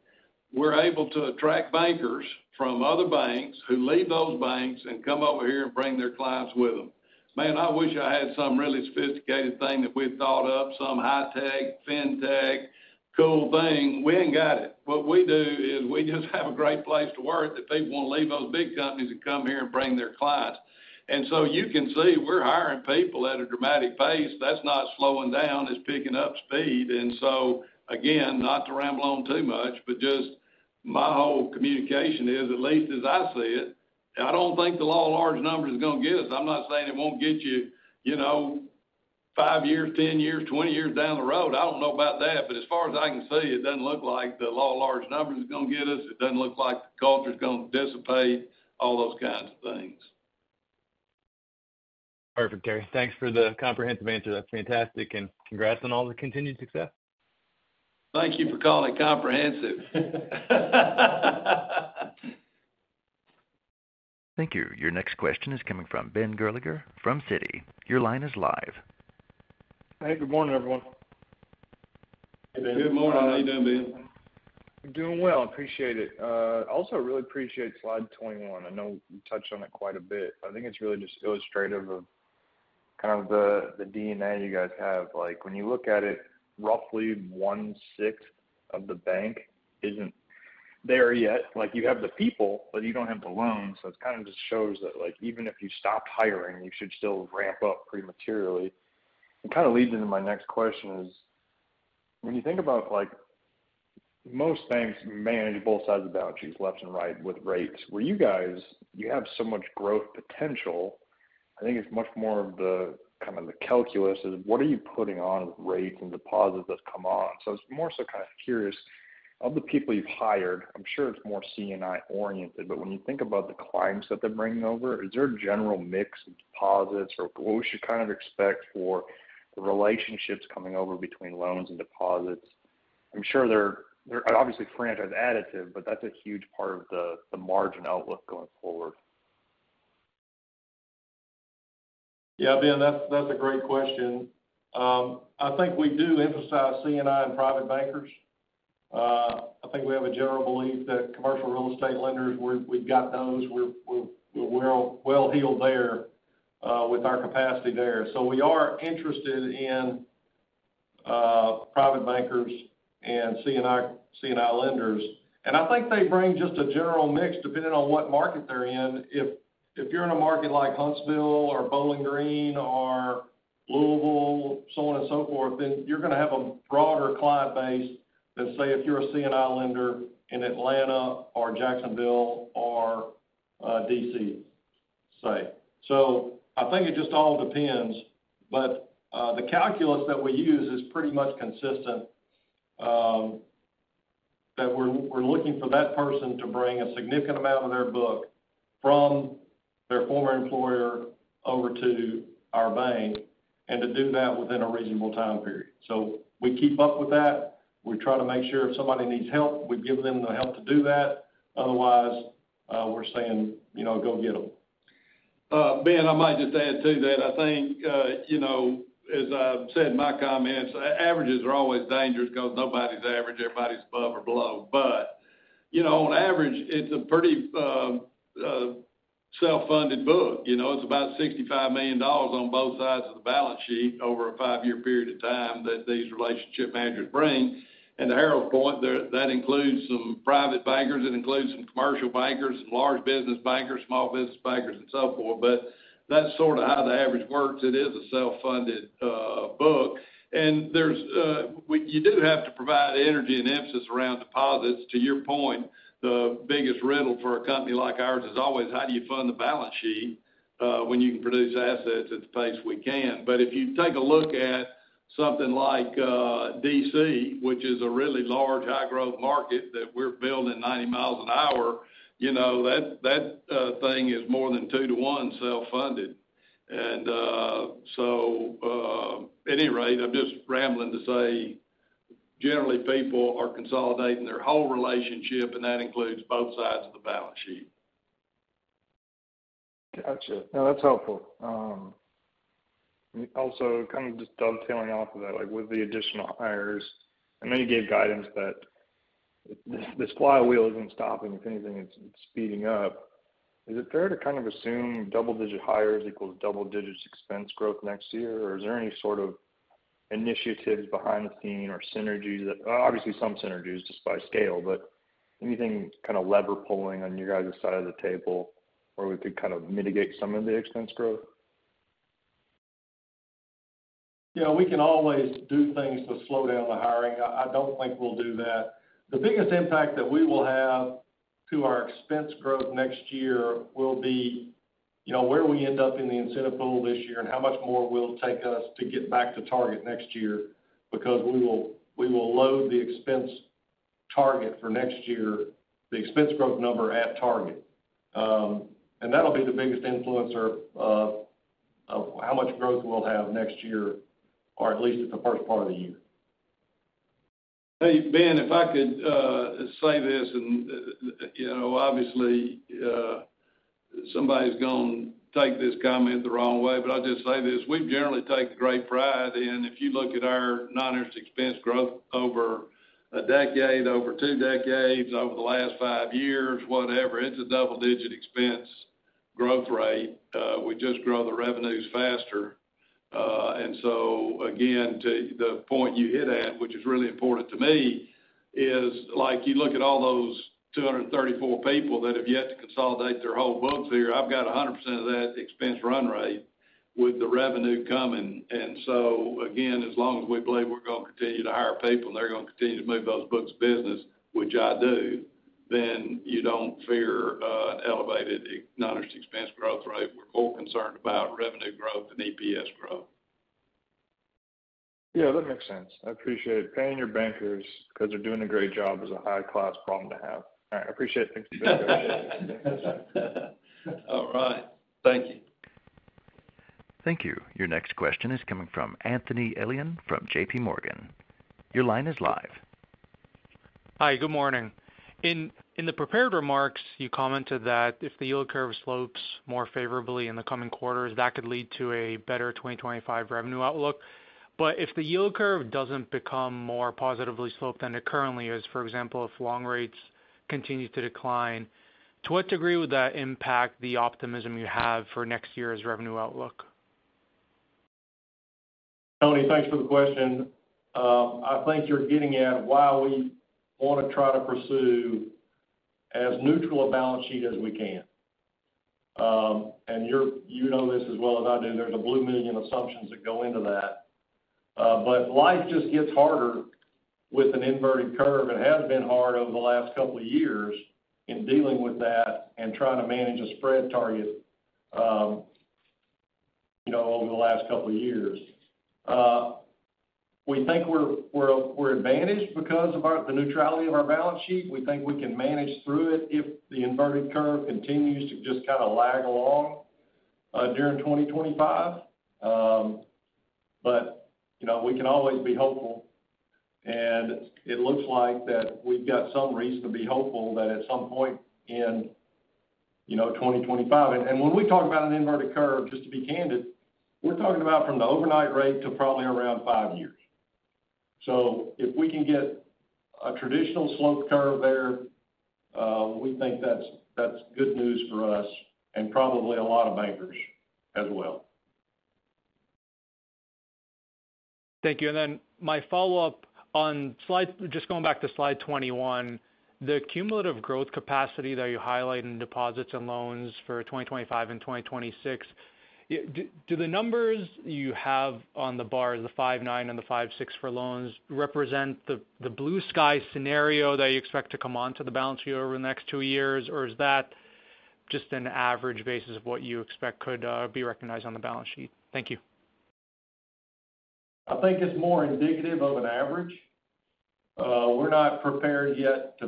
We're able to attract bankers from other banks who leave those banks and come over here and bring their clients with them. Man, I wish I had some really sophisticated thing that we'd thought up, some high tech, fintech, cool thing. We ain't got it. What we do is we just have a great place to work that people want to leave those big companies and come here and bring their clients. And so you can see, we're hiring people at a dramatic pace. That's not slowing down, it's picking up speed, and so, again, not to ramble on too much, but just my whole communication is, at least as I see it, I don't think the law of large numbers is going to get us. I'm not saying it won't get you, you know, five years, ten years, twenty years down the road. I don't know about that, but as far as I can see, it doesn't look like the law of large numbers is going to get us. It doesn't look like the culture is going to dissipate, all those kinds of things. Perfect, Terry. Thanks for the comprehensive answer. That's fantastic, and congrats on all the continued success. Thank you for calling it comprehensive. Thank you. Your next question is coming from Ben Gerlinger from Citi. Your line is live. Hey, good morning, everyone. Good morning. How are you doing, Ben? I'm doing well. I appreciate it. Also, really appreciate slide twenty-one. I know you touched on it quite a bit. I think it's really just illustrative of kind of the, the DNA you guys have. Like, when you look at it, roughly one-sixth of the bank isn't there yet. Like, you have the people, but you don't have the loans. So it kind of just shows that, like, even if you stopped hiring, you should still ramp up pretty materially. It kind of leads into my next question is, when you think about, like, most banks manage both sides of the balance sheets, left and right, with rates. Where you guys, you have so much growth potential, I think it's much more of the kind of the calculus is, what are you putting on with rates and deposits that's come on? So I was more so kind of curious, of the people you've hired, I'm sure it's more C&I-oriented, but when you think about the clients that they're bringing over, is there a general mix of deposits or what we should kind of expect for the relationships coming over between loans and deposits? I'm sure they're obviously franchise additive, but that's a huge part of the margin outlook going forward. Yeah, Ben, that's a great question. I think we do emphasize C&I and private bankers. I think we have a general belief that commercial real estate lenders, we've got those. We're well-heeled there with our capacity there. So we are interested in private bankers and C&I lenders. And I think they bring just a general mix, depending on what market they're in. If you're in a market like Huntsville or Bowling Green or Louisville, so on and so forth, then you're going to have a broader client base than, say, if you're a C&I lender in Atlanta or Jacksonville or DC, say. So I think it just all depends, but, the calculus that we use is pretty much consistent, that we're looking for that person to bring a significant amount of their book from their former employer over to our bank, and to do that within a reasonable time period. So we keep up with that. We try to make sure if somebody needs help, we give them the help to do that. Otherwise, we're saying, you know, go get them. Ben, I might just add to that. I think, you know, as I've said in my comments, averages are always dangerous because nobody's average, everybody's above or below. But, you know, on average, it's a pretty self-funded book. You know, it's about $65 million on both sides of the balance sheet over a five-year period of time that these relationship managers bring. And to Harold's point, that includes some private bankers. It includes some commercial bankers, large business bankers, small business bankers, and so forth. But that's sort of how the average works. It is a self-funded book. And there's, you do have to provide energy and emphasis around deposits. To your point, the biggest riddle for a company like ours is always, how do you fund the balance sheet, when you can produce assets at the pace we can? But if you take a look at something like DC, which is a really large, high-growth market that we're building ninety miles an hour, you know, that thing is more than two to one self-funded. And so any rate, I'm just rambling to say, generally, people are consolidating their whole relationship, and that includes both sides of the balance sheet. Gotcha. No, that's helpful. Also, kind of just dovetailing off of that, like, with the additional hires, I know you gave guidance that this flywheel isn't stopping. If anything, it's speeding up. Is it fair to kind of assume double-digit hires equals double-digit expense growth next year? Or is there any sort of initiatives behind the scene or synergies that, obviously, some synergies just by scale, but anything kind of lever pulling on your guys' side of the table where we could kind of mitigate some of the expense growth? Yeah, we can always do things to slow down the hiring. I don't think we'll do that. The biggest impact that we will have to our expense growth next year will be, you know, where we end up in the incentive pool this year and how much more will it take us to get back to target next year, because we will load the expense target for next year, the expense growth number at target. And that'll be the biggest influencer of how much growth we'll have next year, or at least in the first part of the year. Hey, Ben, if I could say this, and, you know, obviously, somebody's going to take this comment the wrong way, but I'll just say this. We generally take great pride in, if you look at our non-interest expense growth over a decade, over two decades, over the last five years, whatever, it's a double-digit expense growth rate. We just grow the revenues faster. And so again, to the point you hit at, which is really important to me, is like, you look at all those two hundred and thirty-four people that have yet to consolidate their whole books here. I've got 100% of that expense run rate with the revenue coming. And so again, as long as we believe we're going to continue to hire people, and they're going to continue to move those books of business, which I do, then you don't fear an elevated non-interest expense growth rate. We're more concerned about revenue growth and EPS growth. Yeah, that makes sense. I appreciate it. Paying your bankers because they're doing a great job is a high-class problem to have. All right, I appreciate it. Thank you. All right. Thank you. Thank you. Your next question is coming from Anthony Elian from JP Morgan. Your line is live. Hi, good morning. In the prepared remarks, you commented that if the yield curve slopes more favorably in the coming quarters, that could lead to a better 2025 revenue outlook, but if the yield curve doesn't become more positively sloped than it currently is, for example, if long rates continue to decline, to what degree would that impact the optimism you have for next year's revenue outlook? Tony, thanks for the question. I think you're getting at why we want to try to pursue as neutral a balance sheet as we can. And you're, you know this as well as I do, there's a blue million assumptions that go into that. But life just gets harder with an inverted curve. It has been hard over the last couple of years in dealing with that and trying to manage a spread target, you know, over the last couple of years. We think we're advantaged because of our, the neutrality of our balance sheet. We think we can manage through it if the inverted curve continues to just kind of lag along during twenty twenty-five. But, you know, we can always be hopeful, and it looks like that we've got some reason to be hopeful that at some point in, you know, twenty twenty-five. And when we talk about an inverted curve, just to be candid, we're talking about from the overnight rate to probably around five years. So if we can get a traditional sloped curve there, we think that's good news for us and probably a lot of bankers as well. Thank you. And then my follow-up on slide 21, just going back to slide 21, the cumulative growth capacity that you highlight in deposits and loans for 2025 and 2026, yeah, do the numbers you have on the bar, the 59 and the 56 for loans, represent the blue sky scenario that you expect to come onto the balance sheet over the next two years? Or is that just an average basis of what you expect could be recognized on the balance sheet? Thank you. I think it's more indicative of an average. We're not prepared yet to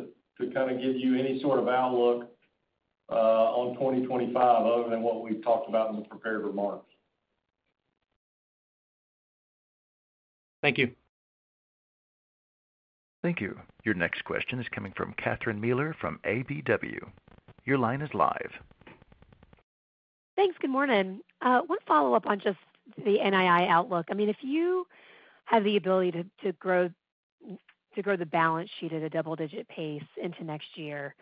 kind of give you any sort of outlook on 2025 other than what we've talked about in the prepared remarks. Thank you. Thank you. Your next question is coming from Catherine Mealor from KBW. Your line is live. Thanks. Good morning. One follow-up on just the NII outlook. I mean, if you have the ability to grow the balance sheet at a double-digit pace into next year,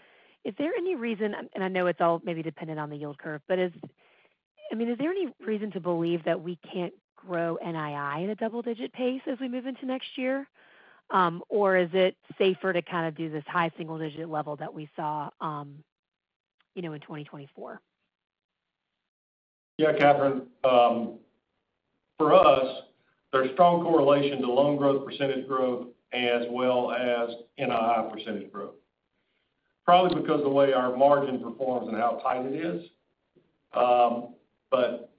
is there any reason, and I know it's all maybe dependent on the yield curve, but I mean, is there any reason to believe that we can't grow NII at a double-digit pace as we move into next year? Or is it safer to kind of do this high single-digit level that we saw, you know, in 2024? Yeah, Catherine, for us, there's strong correlation to loan growth, percentage growth, as well as NII percentage growth, probably because the way our margin performs and how tight it is. But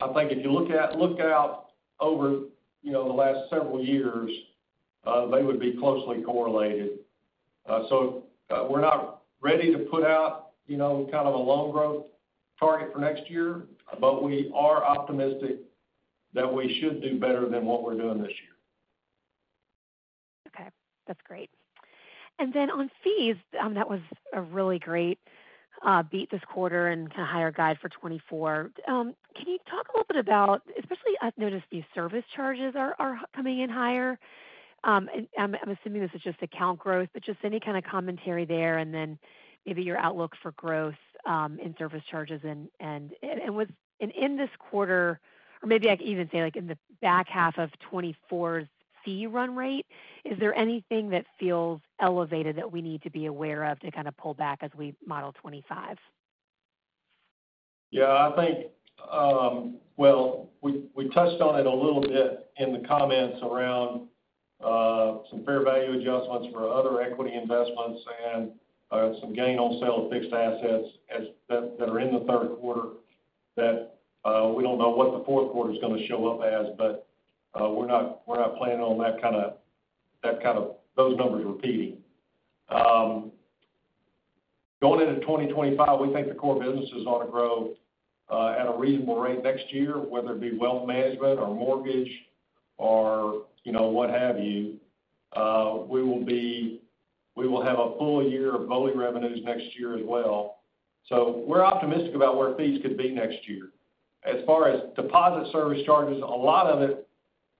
I think if you look out over, you know, the last several years, they would be closely correlated. So, we're not ready to put out, you know, kind of a loan growth target for next year, but we are optimistic that we should do better than what we're doing this year. That's great. And then on fees, that was a really great beat this quarter and to higher guide for twenty-four. Can you talk a little bit about, especially, I've noticed these service charges are coming in higher. And I'm assuming this is just account growth, but just any kind of commentary there, and then maybe your outlook for growth in service charges. And in this quarter, or maybe I could even say, like, in the back half of twenty-four's fee run rate, is there anything that feels elevated that we need to be aware of to kind of pull back as we model twenty-five? Yeah, I think, well, we touched on it a little bit in the comments around some fair value adjustments for other equity investments and some gain on sale of fixed assets that are in the third quarter, that we don't know what the fourth quarter is gonna show up as, but we're not planning on that kind of those numbers repeating. Going into 2025, we think the core business is ought to grow at a reasonable rate next year, whether it be wealth management or mortgage or, you know, what have you. We will have a full year of Bowling Green revenues next year as well. So we're optimistic about where fees could be next year. As far as deposit service charges, a lot of it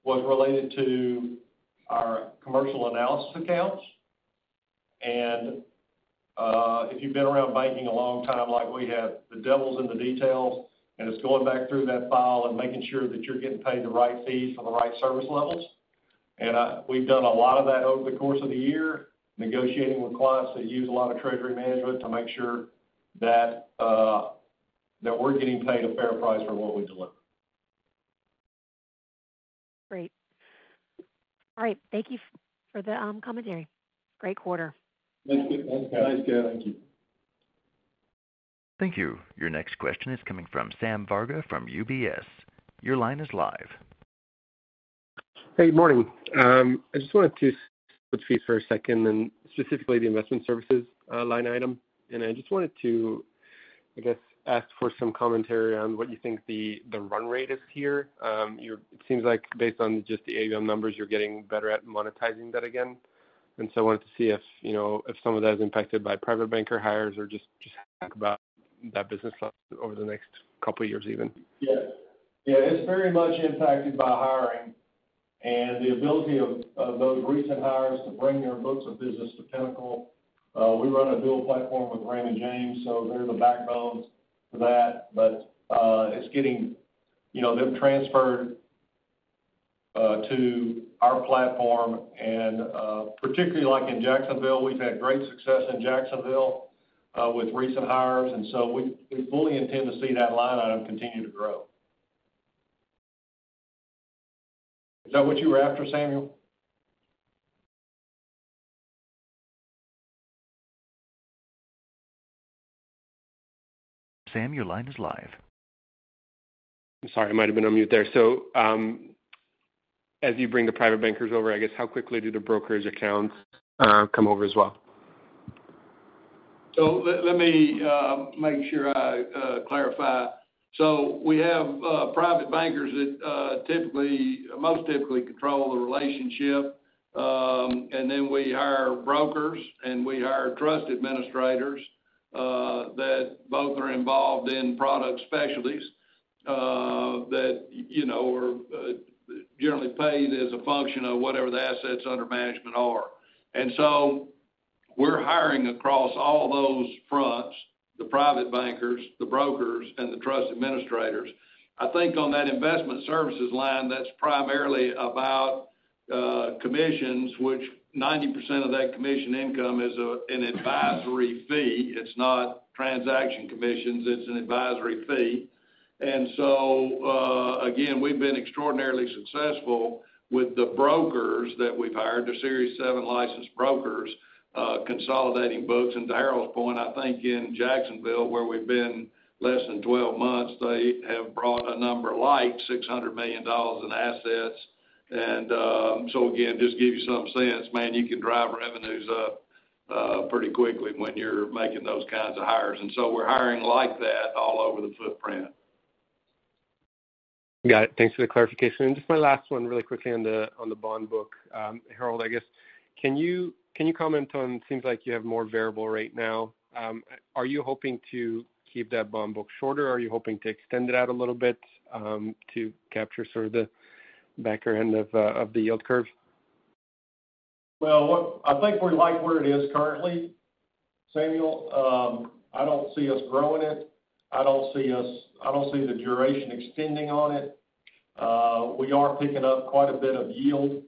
was related to our commercial analysis accounts. And, if you've been around banking a long time, like we have, the devil's in the details, and it's going back through that file and making sure that you're getting paid the right fees for the right service levels. And, we've done a lot of that over the course of the year, negotiating with clients that use a lot of treasury management to make sure that, that we're getting paid a fair price for what we deliver. Great. All right, thank you for the commentary. Great quarter. Thank you. Thanks, Catherine. Thank you. Thank you. Your next question is coming from Sam Varga from UBS. Your line is live. Hey, good morning. I just wanted to switch for a second, and specifically, the investment services line item. And I just wanted to, I guess, ask for some commentary on what you think the run rate is here. It seems like based on just the AUM numbers, you're getting better at monetizing that again. And so I wanted to see if, you know, if some of that is impacted by private banker hires or just talk about that business over the next couple of years, even. Yeah. Yeah, it's very much impacted by hiring and the ability of those recent hires to bring their books of business to Pinnacle. We run a dual platform with Raymond James, so they're the backbones for that. But it's getting, you know, them transferred to our platform, and particularly like in Jacksonville, we've had great success in Jacksonville with recent hires, and so we fully intend to see that line item continue to grow. Is that what you were after, Samuel? Sam, your line is live. I'm sorry, I might have been on mute there. So, as you bring the private bankers over, I guess, how quickly do the brokerage accounts come over as well? So let me making sure I clarify. So we have private bankers that typically, most typically control the relationship, and then we hire brokers, and we hire trust administrators that both are involved in product specialties that you know are generally paid as a function of whatever the assets under management are. And so we're hiring across all those fronts, the private bankers, the brokers, and the trust administrators. I think on that investment services line, that's primarily about commissions, which 90% of that commission income is an advisory fee. It's not transaction commissions, it's an advisory fee. And so again, we've been extraordinarily successful with the brokers that we've hired, the Series 7 licensed brokers consolidating books. And to Harold's point, I think in Jacksonville, where we've been less than 12 months, they have brought a number like $600 million in assets. And so again, just to give you some sense, man, you can drive revenues up pretty quickly when you're making those kinds of hires. And so we're hiring like that all over the footprint. Got it. Thanks for the clarification. Just my last one, really quickly on the bond book. Harold, I guess, can you comment on it. It seems like you have more variable right now. Are you hoping to keep that bond book shorter, or are you hoping to extend it out a little bit, to capture sort of the back end of the yield curve? I think we like where it is currently, Samuel. I don't see us growing it. I don't see the duration extending on it. We are picking up quite a bit of yield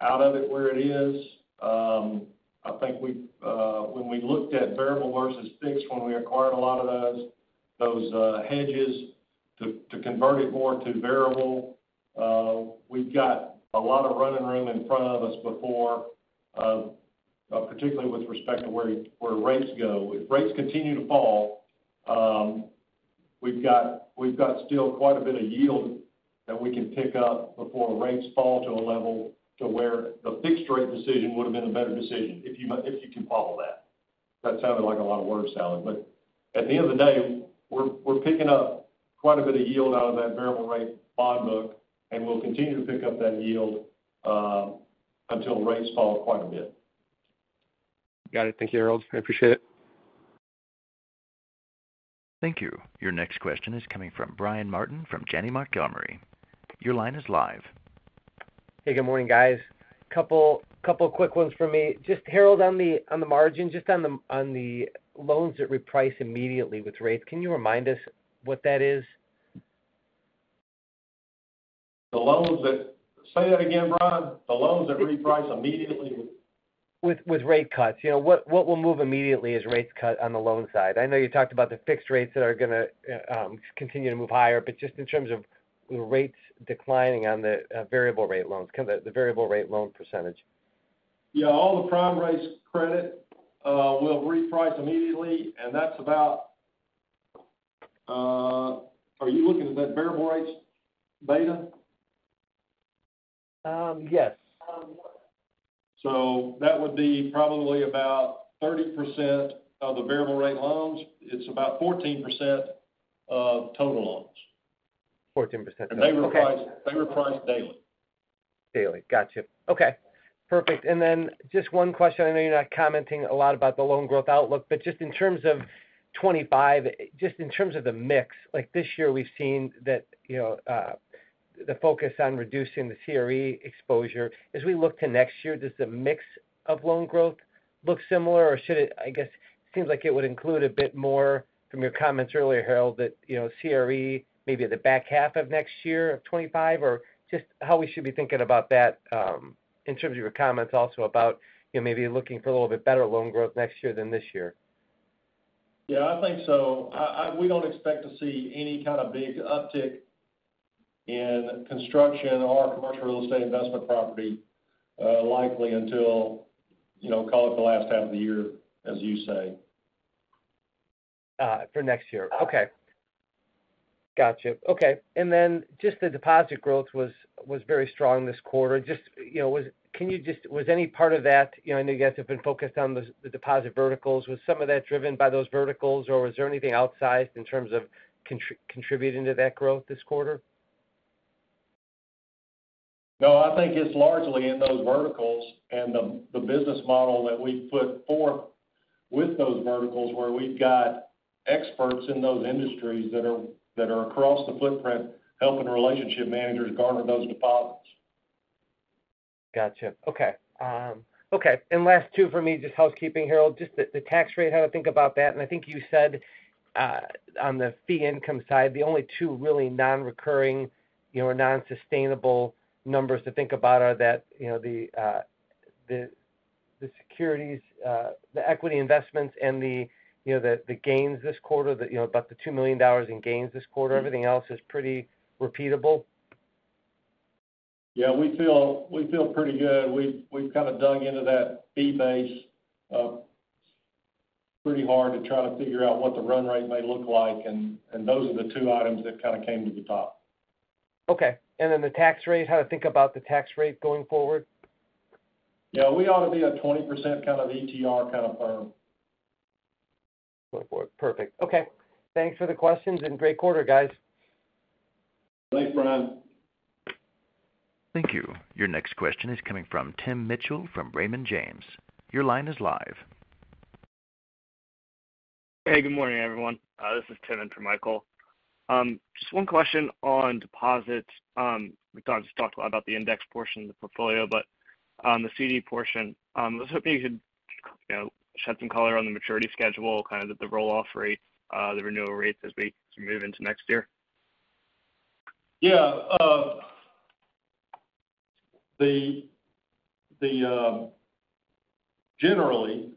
out of it where it is. I think we've, when we looked at variable versus fixed, when we acquired a lot of those hedges, to convert it more to variable, we've got a lot of running room in front of us before, particularly with respect to where rates go. If rates continue to fall, we've got still quite a bit of yield that we can pick up before rates fall to a level to where the fixed rate decision would have been a better decision, if you can follow that. That sounded like a lot of word salad, but at the end of the day, we're picking up quite a bit of yield out of that variable rate bond book, and we'll continue to pick up that yield until rates fall quite a bit. Got it. Thank you, Harold. I appreciate it. Thank you. Your next question is coming from Brian Martin from Janney Montgomery Scott. Your line is live. Hey, good morning, guys. A couple of quick ones for me. Just Harold, on the margin, just on the loans that reprice immediately with rates, can you remind us what that is? Say that again, Brian. The loans that reprice immediately with? With rate cuts. You know, what will move immediately as rates cut on the loan side? I know you talked about the fixed rates that are gonna continue to move higher, but just in terms of the rates declining on the variable rate loans, the variable rate loan percentage. Yeah, all the prime rates credit will reprice immediately, and that's about... Are you looking at that variable rates beta? Um, yes. So that would be probably about 30% of the variable rate loans. It's about 14% of total loans. Fourteen percent. They reprice, they reprice daily. Daily. Got you. Okay, perfect. And then just one question. I know you're not commenting a lot about the loan growth outlook, but just in terms of 2025, just in terms of the mix, like, this year, we've seen that, you know, the focus on reducing the CRE exposure. As we look to next year, does the mix of loan growth look similar, or should it? I guess, it seems like it would include a bit more from your comments earlier, Harold, that, you know, CRE, maybe the back half of next year of 2025, or just how we should be thinking about that, in terms of your comments also about, you know, maybe looking for a little bit better loan growth next year than this year. Yeah, I think so. We don't expect to see any kind of big uptick in construction or commercial real estate investment property, likely until, you know, call it the last half of the year, as you say. Ah, for next year. Okay. Got you. Okay, and then just the deposit growth was very strong this quarter. Just, you know, was any part of that, you know, I know you guys have been focused on the deposit verticals. Was some of that driven by those verticals, or was there anything outside in terms of contributing to that growth this quarter? No, I think it's largely in those verticals and the business model that we put forth with those verticals, where we've got experts in those industries that are across the footprint, helping relationship managers garner those deposits. Gotcha. Okay. Okay, and last two for me, just housekeeping, Harold, just the tax rate, how to think about that. And I think you said, on the fee income side, the only two really non-recurring, you know, non-sustainable numbers to think about are that, you know, the securities, the equity investments and the, you know, the gains this quarter, that, you know, about the $2 million in gains this quarter, everything else is pretty repeatable. Yeah, we feel pretty good. We've kind of dug into that fee base pretty hard to try to figure out what the run rate may look like, and those are the two items that kind of came to the top. Okay. And then the tax rate, how to think about the tax rate going forward? Yeah, we ought to be a 20% kind of ETR kind of firm. Perfect. Okay. Thanks for the questions, and great quarter, guys. Thanks, Brian. Thank you. Your next question is coming from Tim Mitchell from Raymond James. Your line is live. Hey, good morning, everyone. This is Tim in for Michael. Just one question on deposits. We've talked a lot about the index portion of the portfolio, but on the CD portion, I was hoping you could, you know, shed some color on the maturity schedule, kind of the roll-off rate, the renewal rates as we move into next year. Yeah, generally,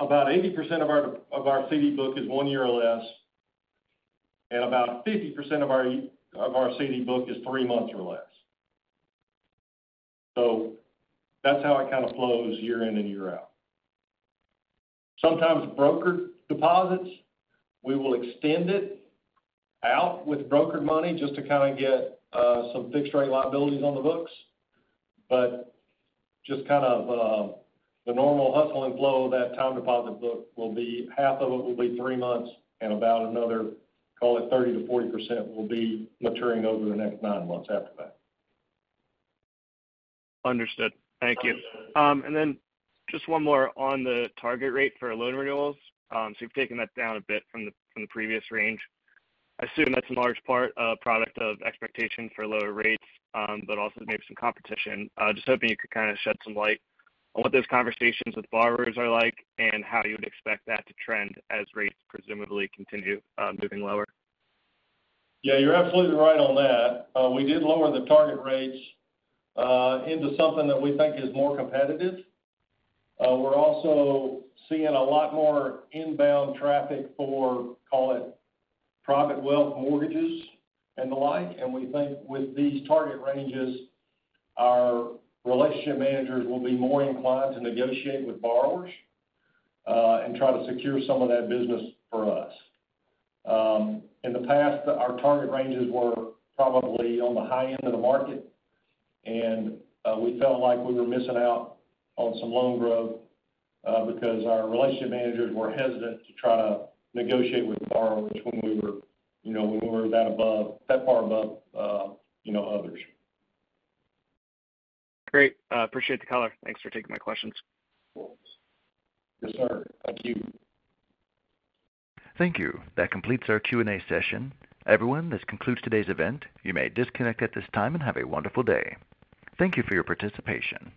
about 80% of our CD book is one year or less, and about 50% of our CD book is three months or less. So that's how it kind of flows year in and year out. Sometimes brokered deposits, we will extend it out with brokered money just to kind of get some fixed rate liabilities on the books. But just kind of the normal hustle and flow, that time deposit book will be half of it will be three months, and about another, call it 30%-40%, will be maturing over the next nine months after that. Understood. Thank you. And then just one more on the target rate for loan renewals. So you've taken that down a bit from the previous range. I assume that's in large part a product of expectation for lower rates, but also maybe some competition. Just hoping you could kind of shed some light on what those conversations with borrowers are like and how you would expect that to trend as rates presumably continue moving lower. Yeah, you're absolutely right on that. We did lower the target rates into something that we think is more competitive. We're also seeing a lot more inbound traffic for, call it, private wealth mortgages and the like. And we think with these target ranges, our relationship managers will be more inclined to negotiate with borrowers and try to secure some of that business for us. In the past, our target ranges were probably on the high end of the market, and we felt like we were missing out on some loan growth because our relationship managers were hesitant to try to negotiate with borrowers when we were, you know, when we were that above, that far above, you know, others. Great. I appreciate the color. Thanks for taking my questions. Yes, sir. Thank you. Thank you. That completes our Q&A session. Everyone, this concludes today's event. You may disconnect at this time and have a wonderful day. Thank you for your participation.